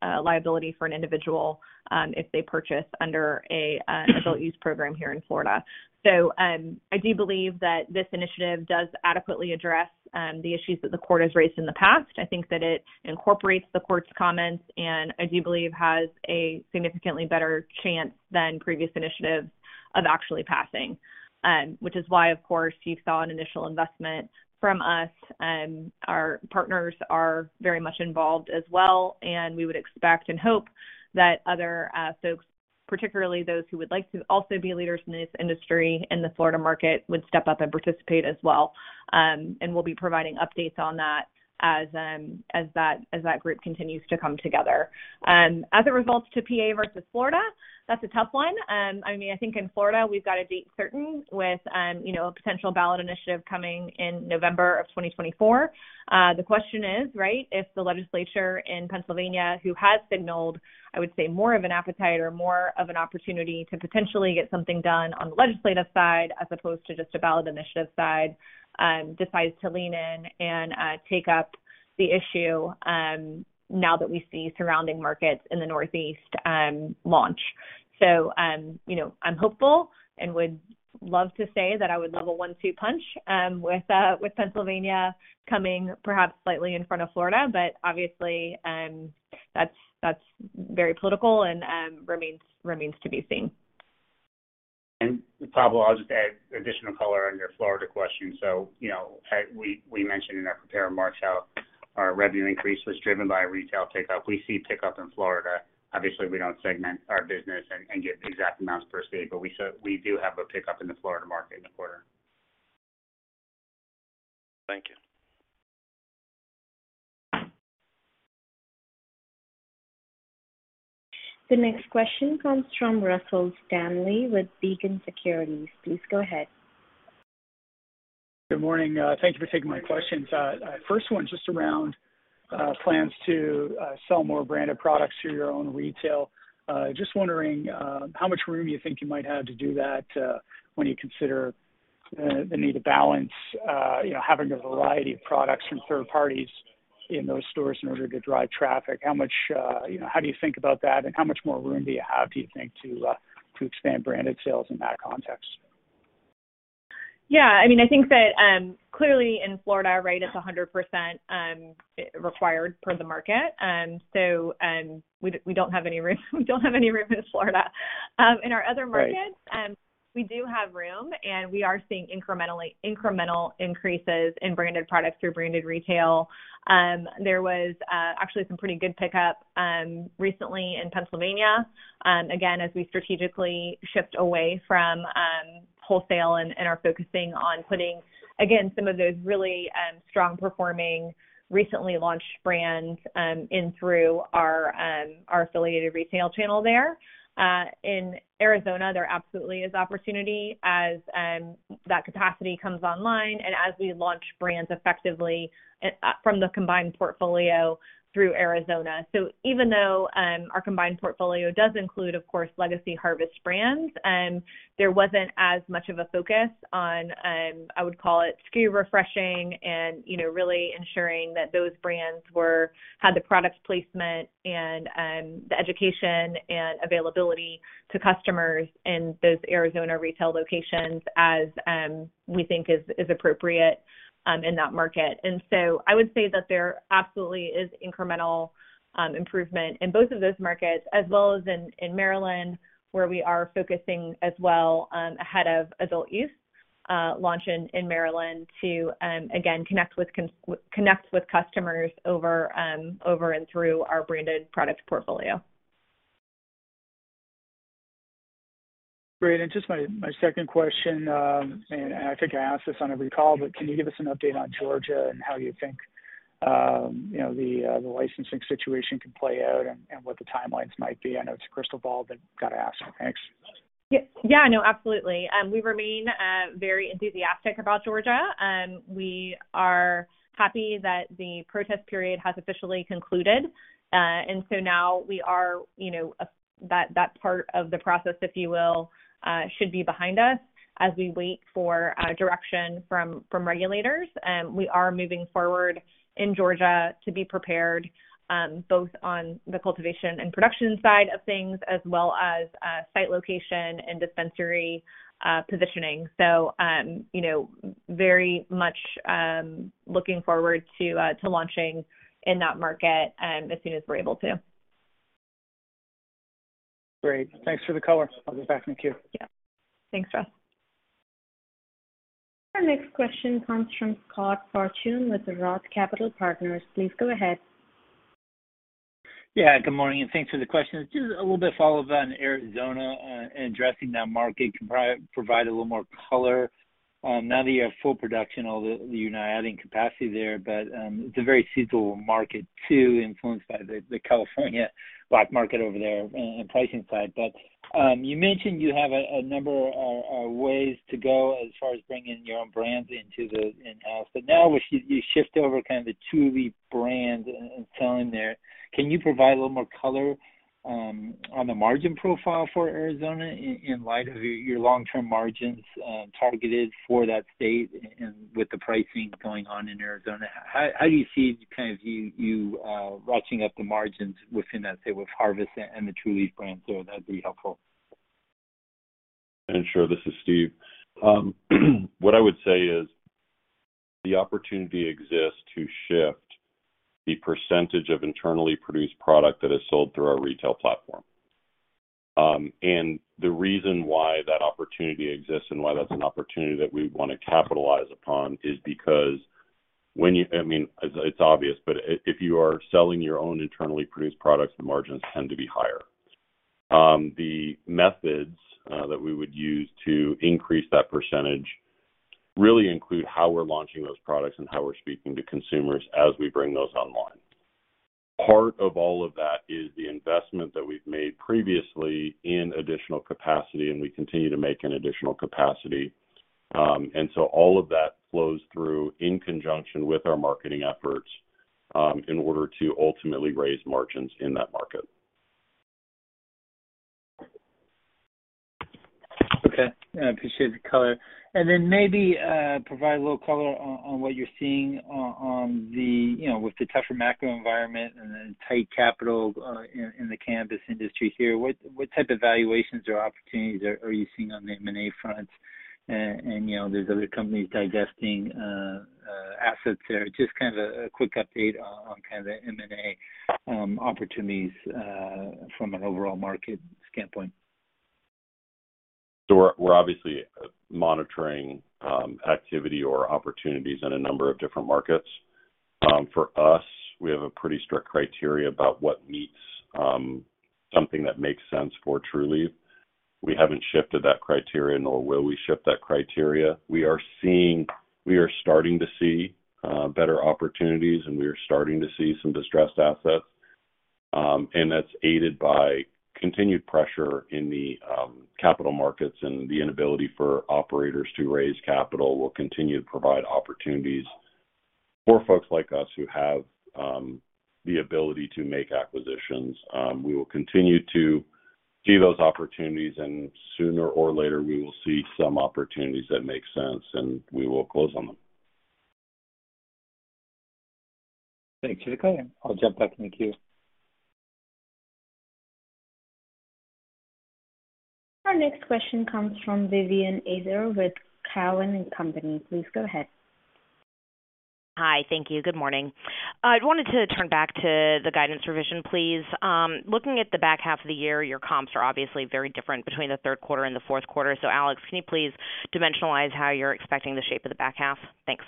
liability for an individual if they purchase under an adult use program here in Florida. I do believe that this initiative does adequately address the issues that the court has raised in the past. I think that it incorporates the court's comments, and I do believe has a significantly better chance than previous initiatives of actually passing, which is why of course you saw an initial investment from us. Our partners are very much involved as well, and we would expect and hope that other folks, particularly those who would like to also be leaders in this industry in the Florida market, would step up and participate as well. We'll be providing updates on that as that group continues to come together. As it relates to PA versus Florida, that's a tough one. I mean, I think in Florida we've got to be certain with, you know, a potential ballot initiative coming in November of 2024. The question is, right, if the legislature in Pennsylvania who has signaled, I would say more of an appetite or more of an opportunity to potentially get something done on the legislative side as opposed to just a ballot initiative side, decides to lean in and take up the issue, now that we see surrounding markets in the Northeast launch. You know, I'm hopeful and would love to say that I would love a one-two punch, with Pennsylvania coming perhaps slightly in front of Florida. Obviously, that's very political and remains to be seen. Pablo, I'll just add additional color on your Florida question. You know, we mentioned in our prepared remarks how our revenue increase was driven by retail pickup. We see pickup in Florida. Obviously, we don't segment our business and get the exact amounts per state, but we do have a pickup in the Florida market in the quarter. Thank you. The next question comes from Russell Stanley with Beacon Securities. Please go ahead. Good morning. Thank you for taking my questions. First one, just around plans to sell more branded products through your own retail. Just wondering how much room you think you might have to do that when you consider the need to balance, you know, having a variety of products from third parties in those stores in order to drive traffic. How much, you know, how do you think about that, and how much more room do you have, do you think, to expand branded sales in that context? Yeah, I mean, I think that clearly in Florida, right, it's 100% required per the market. We don't have any room in Florida. In our other markets- Right. We do have room, and we are seeing incremental increases in branded products through branded retail. There was actually some pretty good pickup recently in Pennsylvania, again, as we strategically shift away from wholesale and are focusing on putting again some of those really strong-performing, recently launched brands in through our affiliated retail channel there. In Arizona, there absolutely is opportunity as that capacity comes online and as we launch brands effectively from the combined portfolio through Arizona. Even though our combined portfolio does include, of course, legacy Harvest brands, there wasn't as much of a focus on I would call it SKU refreshing and, you know, really ensuring that those brands had the product placement and the education and availability to customers in those Arizona retail locations as we think is appropriate in that market. I would say that there absolutely is incremental improvement in both of those markets as well as in Maryland, where we are focusing as well ahead of adult use launch in Maryland to again connect with customers over and through our branded products portfolio. Great. Just my second question, and I think I ask this on every call, but can you give us an update on Georgia and how you think, you know, the licensing situation can play out and what the timelines might be? I know it's a crystal ball, but got to ask. Thanks. Yeah, no, absolutely. We remain very enthusiastic about Georgia. We are happy that the protest period has officially concluded. Now we are, you know, that part of the process, if you will, should be behind us as we wait for direction from regulators. We are moving forward in Georgia to be prepared both on the cultivation and production side of things as well as site location and dispensary positioning. You know, very much looking forward to launching in that market as soon as we're able to. Great. Thanks for the color. I'll get back in the queue. Yeah. Thanks, Russ. Our next question comes from Scott Fortune with ROTH Capital Partners. Please go ahead. Yeah, good morning and thanks for the questions. Just a little bit follow-up on Arizona, addressing that market. Provide a little more color, now that you have full production, although you're now adding capacity there, but it's a very seasonal market too, influenced by the California black market over there and pricing side. You mentioned you have a number of ways to go as far as bringing your own brands into the in-house. Now as you shift over kind of the Trulieve brand and selling there, can you provide a little more color on the margin profile for Arizona in light of your long-term margins targeted for that state and with the pricing going on in Arizona, how do you see kind of you ratcheting up the margins within that say, with Harvest and the Trulieve brands? So that'd be helpful. Sure. This is Steve. What I would say is. The opportunity exists to shift the percentage of internally produced product that is sold through our retail platform. The reason why that opportunity exists and why that's an opportunity that we wanna capitalize upon is because I mean, it's obvious, but if you are selling your own internally produced products, the margins tend to be higher. The methods that we would use to increase that percentage really include how we're launching those products and how we're speaking to consumers as we bring those online. Part of all of that is the investment that we've made previously in additional capacity, and we continue to make an additional capacity. All of that flows through in conjunction with our marketing efforts in order to ultimately raise margins in that market. Okay. I appreciate the color. Maybe provide a little color on what you're seeing on the, you know, with the tougher macro environment and then tight capital in the cannabis industry here. What type of valuations or opportunities are you seeing on the M&A front? You know, there's other companies digesting assets there. Just kind of a quick update on kind of the M&A opportunities from an overall market standpoint. We're obviously monitoring activity or opportunities in a number of different markets. For us, we have a pretty strict criteria about what meets something that makes sense for Trulieve. We haven't shifted that criteria, nor will we shift that criteria. We are starting to see better opportunities, and we are starting to see some distressed assets. And that's aided by continued pressure in the capital markets, and the inability for operators to raise capital will continue to provide opportunities for folks like us who have the ability to make acquisitions. We will continue to see those opportunities, and sooner or later we will see some opportunities that make sense, and we will close on them. Thanks for the color. I'll jump back in the queue. Our next question comes from Vivien Azer with Cowen and Company. Please go ahead. Hi. Thank you. Good morning. I wanted to turn back to the guidance revision, please. Looking at the back half of the year, your comps are obviously very different between the third quarter and the fourth quarter. Alex, can you please dimensionalize how you're expecting the shape of the back half? Thanks.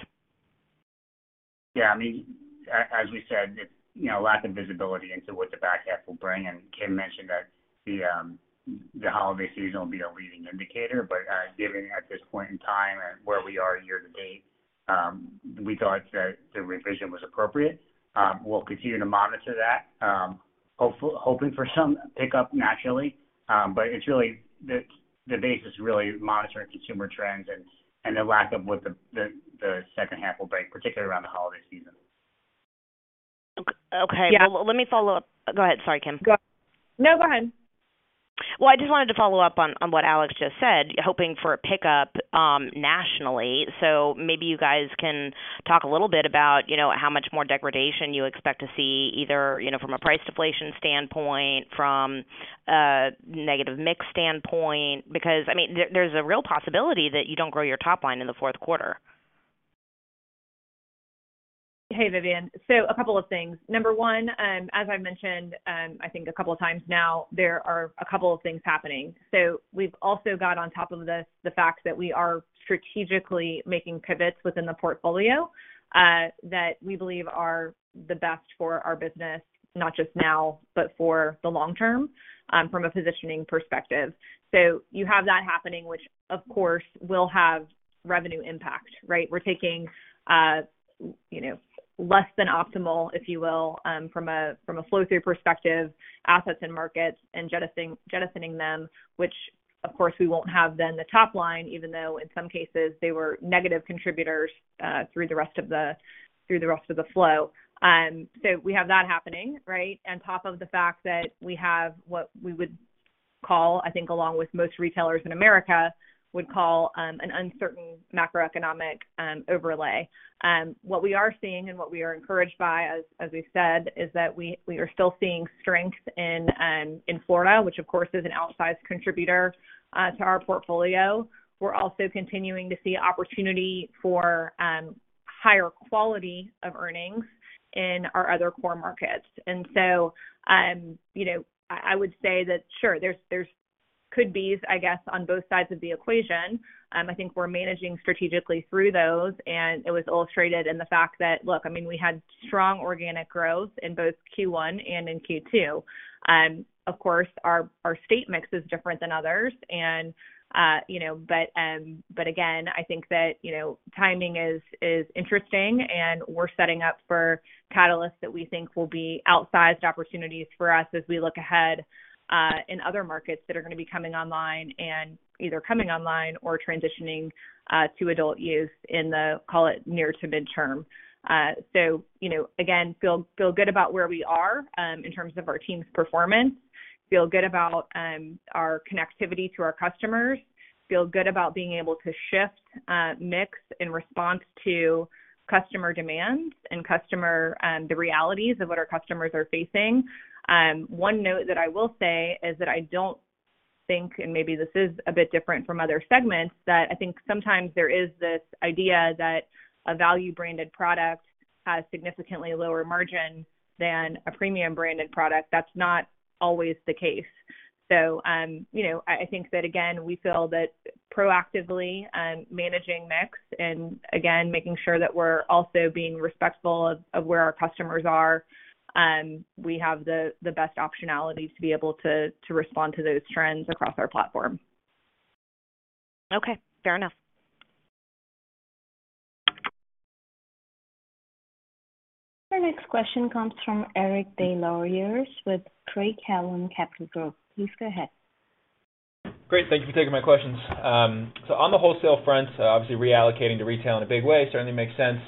Yeah. I mean, as we said, it's, you know, lack of visibility into what the back half will bring. Kim mentioned that the holiday season will be a leading indicator. Given at this point in time and where we are year to date, we thought that the revision was appropriate. We'll continue to monitor that, hoping for some pickup nationally. It's really the basis really monitoring consumer trends and the lack of what the second half will bring, particularly around the holiday season. O-okay. Yeah. Well, let me follow up. Go ahead. Sorry, Kim. No, go ahead. Well, I just wanted to follow up on what Alex just said, hoping for a pickup nationally. Maybe you guys can talk a little bit about, you know, how much more degradation you expect to see either, you know, from a price deflation standpoint, from a negative mix standpoint, because, I mean, there's a real possibility that you don't grow your top line in the fourth quarter. Hey, Vivien. A couple of things. Number one, as I mentioned, I think a couple of times now, there are a couple of things happening. We've also got on top of this the fact that we are strategically making pivots within the portfolio, that we believe are the best for our business, not just now, but for the long term, from a positioning perspective. You have that happening, which of course will have revenue impact, right? We're taking, you know, less than optimal, if you will, from a flow-through perspective, assets and markets and jettisoning them, which of course we won't have then the top line, even though in some cases they were negative contributors, through the rest of the flow. We have that happening, right? On top of the fact that we have what we would call, I think along with most retailers in America, an uncertain macroeconomic overlay. What we are seeing and what we are encouraged by, as we've said, is that we are still seeing strength in Florida, which of course is an outsized contributor to our portfolio. We're also continuing to see opportunity for higher quality of earnings in our other core markets. You know, I would say that sure, there's could-bes, I guess, on both sides of the equation. I think we're managing strategically through those, and it was illustrated in the fact that, look, I mean, we had strong organic growth in both Q1 and in Q2. Of course, our state mix is different than others, and you know, but again, I think that, you know, timing is interesting and we're setting up for catalysts that we think will be outsized opportunities for us as we look ahead in other markets that are gonna be coming online and either coming online or transitioning to adult use in the, call it, near to midterm. You know, again, feel good about where we are in terms of our team's performance, feel good about our connectivity to our customers, feel good about being able to shift mix in response to customer demands and the realities of what our customers are facing. One note that I will say is that I think, and maybe this is a bit different from other segments, that I think sometimes there is this idea that a value-branded product has significantly lower margin than a premium-branded product. That's not always the case. You know, I think that again, we feel that proactively managing mix and again, making sure that we're also being respectful of where our customers are, we have the best optionalities to be able to respond to those trends across our platform. Okay, fair enough. Our next question comes from Eric Des Lauriers with Craig-Hallum Capital Group. Please go ahead. Great. Thank you for taking my questions. On the wholesale front, obviously reallocating to retail in a big way certainly makes sense.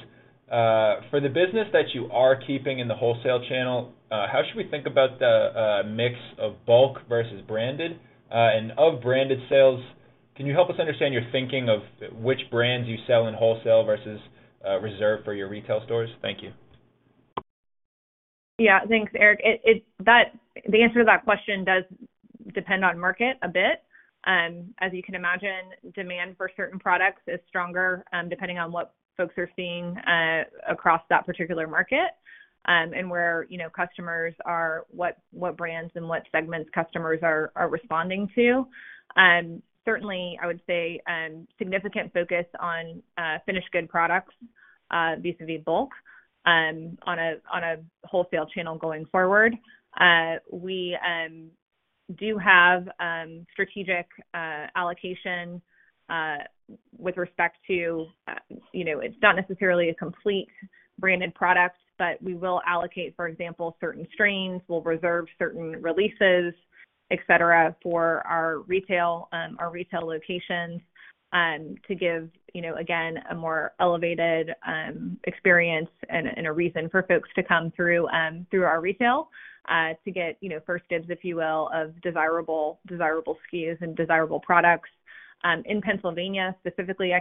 For the business that you are keeping in the wholesale channel, how should we think about the mix of bulk versus branded, and of branded sales? Can you help us understand your thinking of which brands you sell in wholesale versus reserve for your retail stores? Thank you. Yeah, thanks, Eric. The answer to that question does depend on market a bit. As you can imagine, demand for certain products is stronger, depending on what folks are seeing across that particular market, and where, you know, customers are, what brands and what segments customers are responding to. Certainly I would say, significant focus on finished good products vis-à-vis bulk, on a wholesale channel going forward. We do have strategic allocation with respect to, you know, it's not necessarily a complete branded product, but we will allocate, for example, certain strains. We'll reserve certain releases, et cetera, for our retail locations to give, you know, again, a more elevated experience and a reason for folks to come through our retail to get, you know, first dibs, if you will, of desirable SKUs and desirable products. In Pennsylvania specifically, I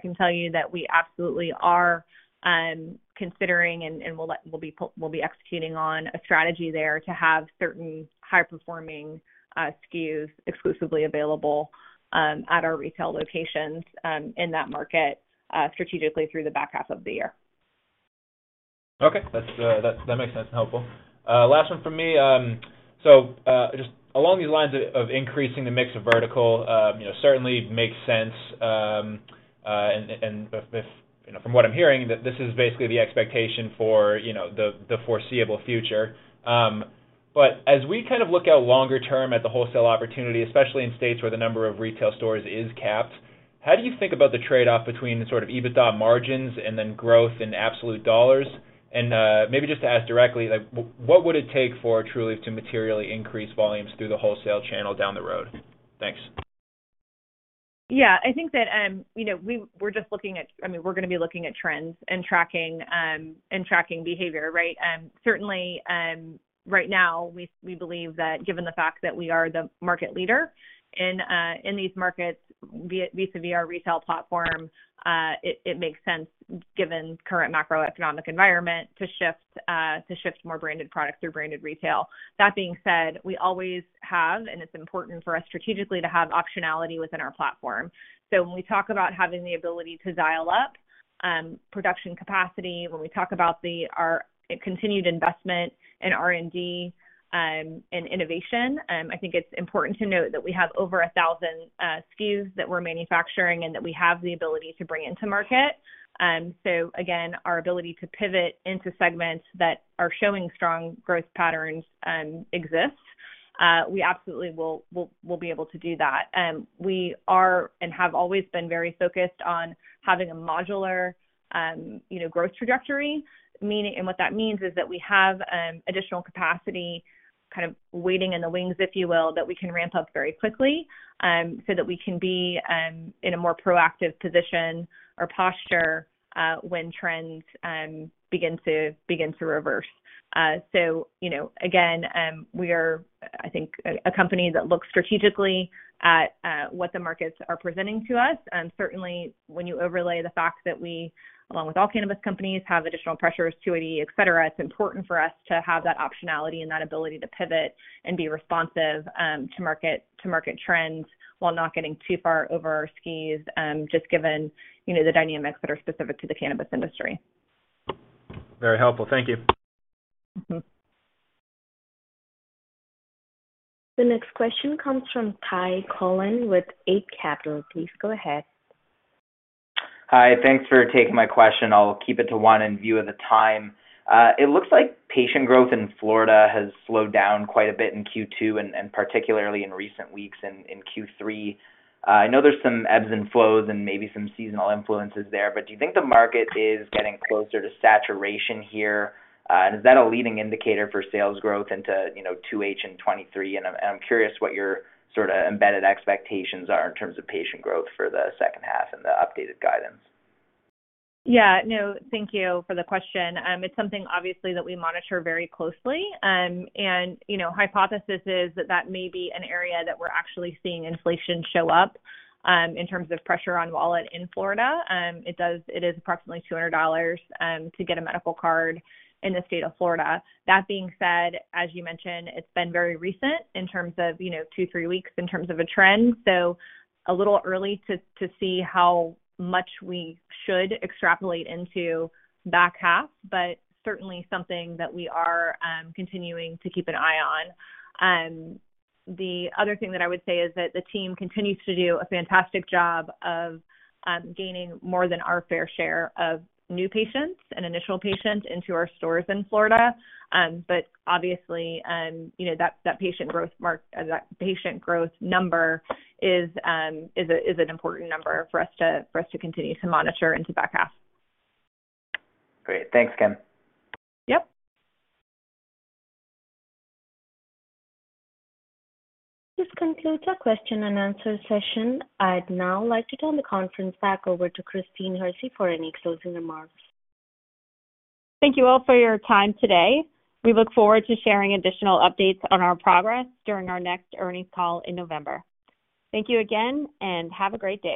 can tell you that we absolutely are considering and will be executing on a strategy there to have certain high-performing SKUs exclusively available at our retail locations in that market strategically through the back half of the year. Okay. That makes sense. Helpful. Last one from me. Just along these lines of increasing the mix of vertical, you know, certainly makes sense. If you know, from what I'm hearing, this is basically the expectation for, you know, the foreseeable future. As we kind of look out longer term at the wholesale opportunity, especially in states where the number of retail stores is capped, how do you think about the trade-off between the sort of EBITDA margins and then growth in absolute dollars? Maybe just to ask directly, like what would it take for Trulieve to materially increase volumes through the wholesale channel down the road? Thanks. Yeah, I think that, you know, we're just looking at. I mean, we're gonna be looking at trends and tracking behavior, right? Certainly, right now we believe that given the fact that we are the market leader in these markets vis-à-vis our retail platform, it makes sense given current macroeconomic environment to shift more branded products through branded retail. That being said, we always have, and it's important for us strategically to have optionality within our platform. When we talk about having the ability to dial up production capacity, when we talk about our continued investment in R&D and innovation, I think it's important to note that we have over 1,000 SKUs that we're manufacturing and that we have the ability to bring into market. Our ability to pivot into segments that are showing strong growth patterns exists. We absolutely will be able to do that. We are and have always been very focused on having a modular, you know, growth trajectory. Meaning, what that means is that we have additional capacity kind of waiting in the wings, if you will, that we can ramp up very quickly, so that we can be in a more proactive position or posture when trends begin to reverse. You know, again, we are, I think a company that looks strategically at what the markets are presenting to us. Certainly when you overlay the fact that we, along with all cannabis companies, have additional pressures, 280E, et cetera, it's important for us to have that optionality and that ability to pivot and be responsive to market trends while not getting too far over our SKUs just given, you know, the dynamics that are specific to the cannabis industry. Very helpful. Thank you. Mm-hmm. The next question comes from Ty Collin with Eight Capital. Please go ahead. Hi. Thanks for taking my question. I'll keep it to one in view of the time. It looks like patient growth in Florida has slowed down quite a bit in Q2 and particularly in recent weeks in Q3. I know there's some ebbs and flows and maybe some seasonal influences there, but do you think the market is getting closer to saturation here? And is that a leading indicator for sales growth into, you know, 2H in 2023? I'm curious what your sorta embedded expectations are in terms of patient growth for the second half and the updated guidance. Yeah, no, thank you for the question. It's something obviously that we monitor very closely. You know, hypothesis is that that may be an area that we're actually seeing inflation show up in terms of pressure on wallet in Florida. It is approximately $200 to get a medical card in the state of Florida. That being said, as you mentioned, it's been very recent in terms of, you know, two, three weeks in terms of a trend. A little early to see how much we should extrapolate into the back half, but certainly something that we are continuing to keep an eye on. The other thing that I would say is that the team continues to do a fantastic job of gaining more than our fair share of new patients and initial patients into our stores in Florida. Obviously, you know, that patient growth number is an important number for us to continue to monitor into the back half. Great. Thanks, Kim. Yep. This concludes our question and answer session. I'd now like to turn the conference back over to Christine Hersey for any closing remarks. Thank you all for your time today. We look forward to sharing additional updates on our progress during our next earnings call in November. Thank you again, and have a great day.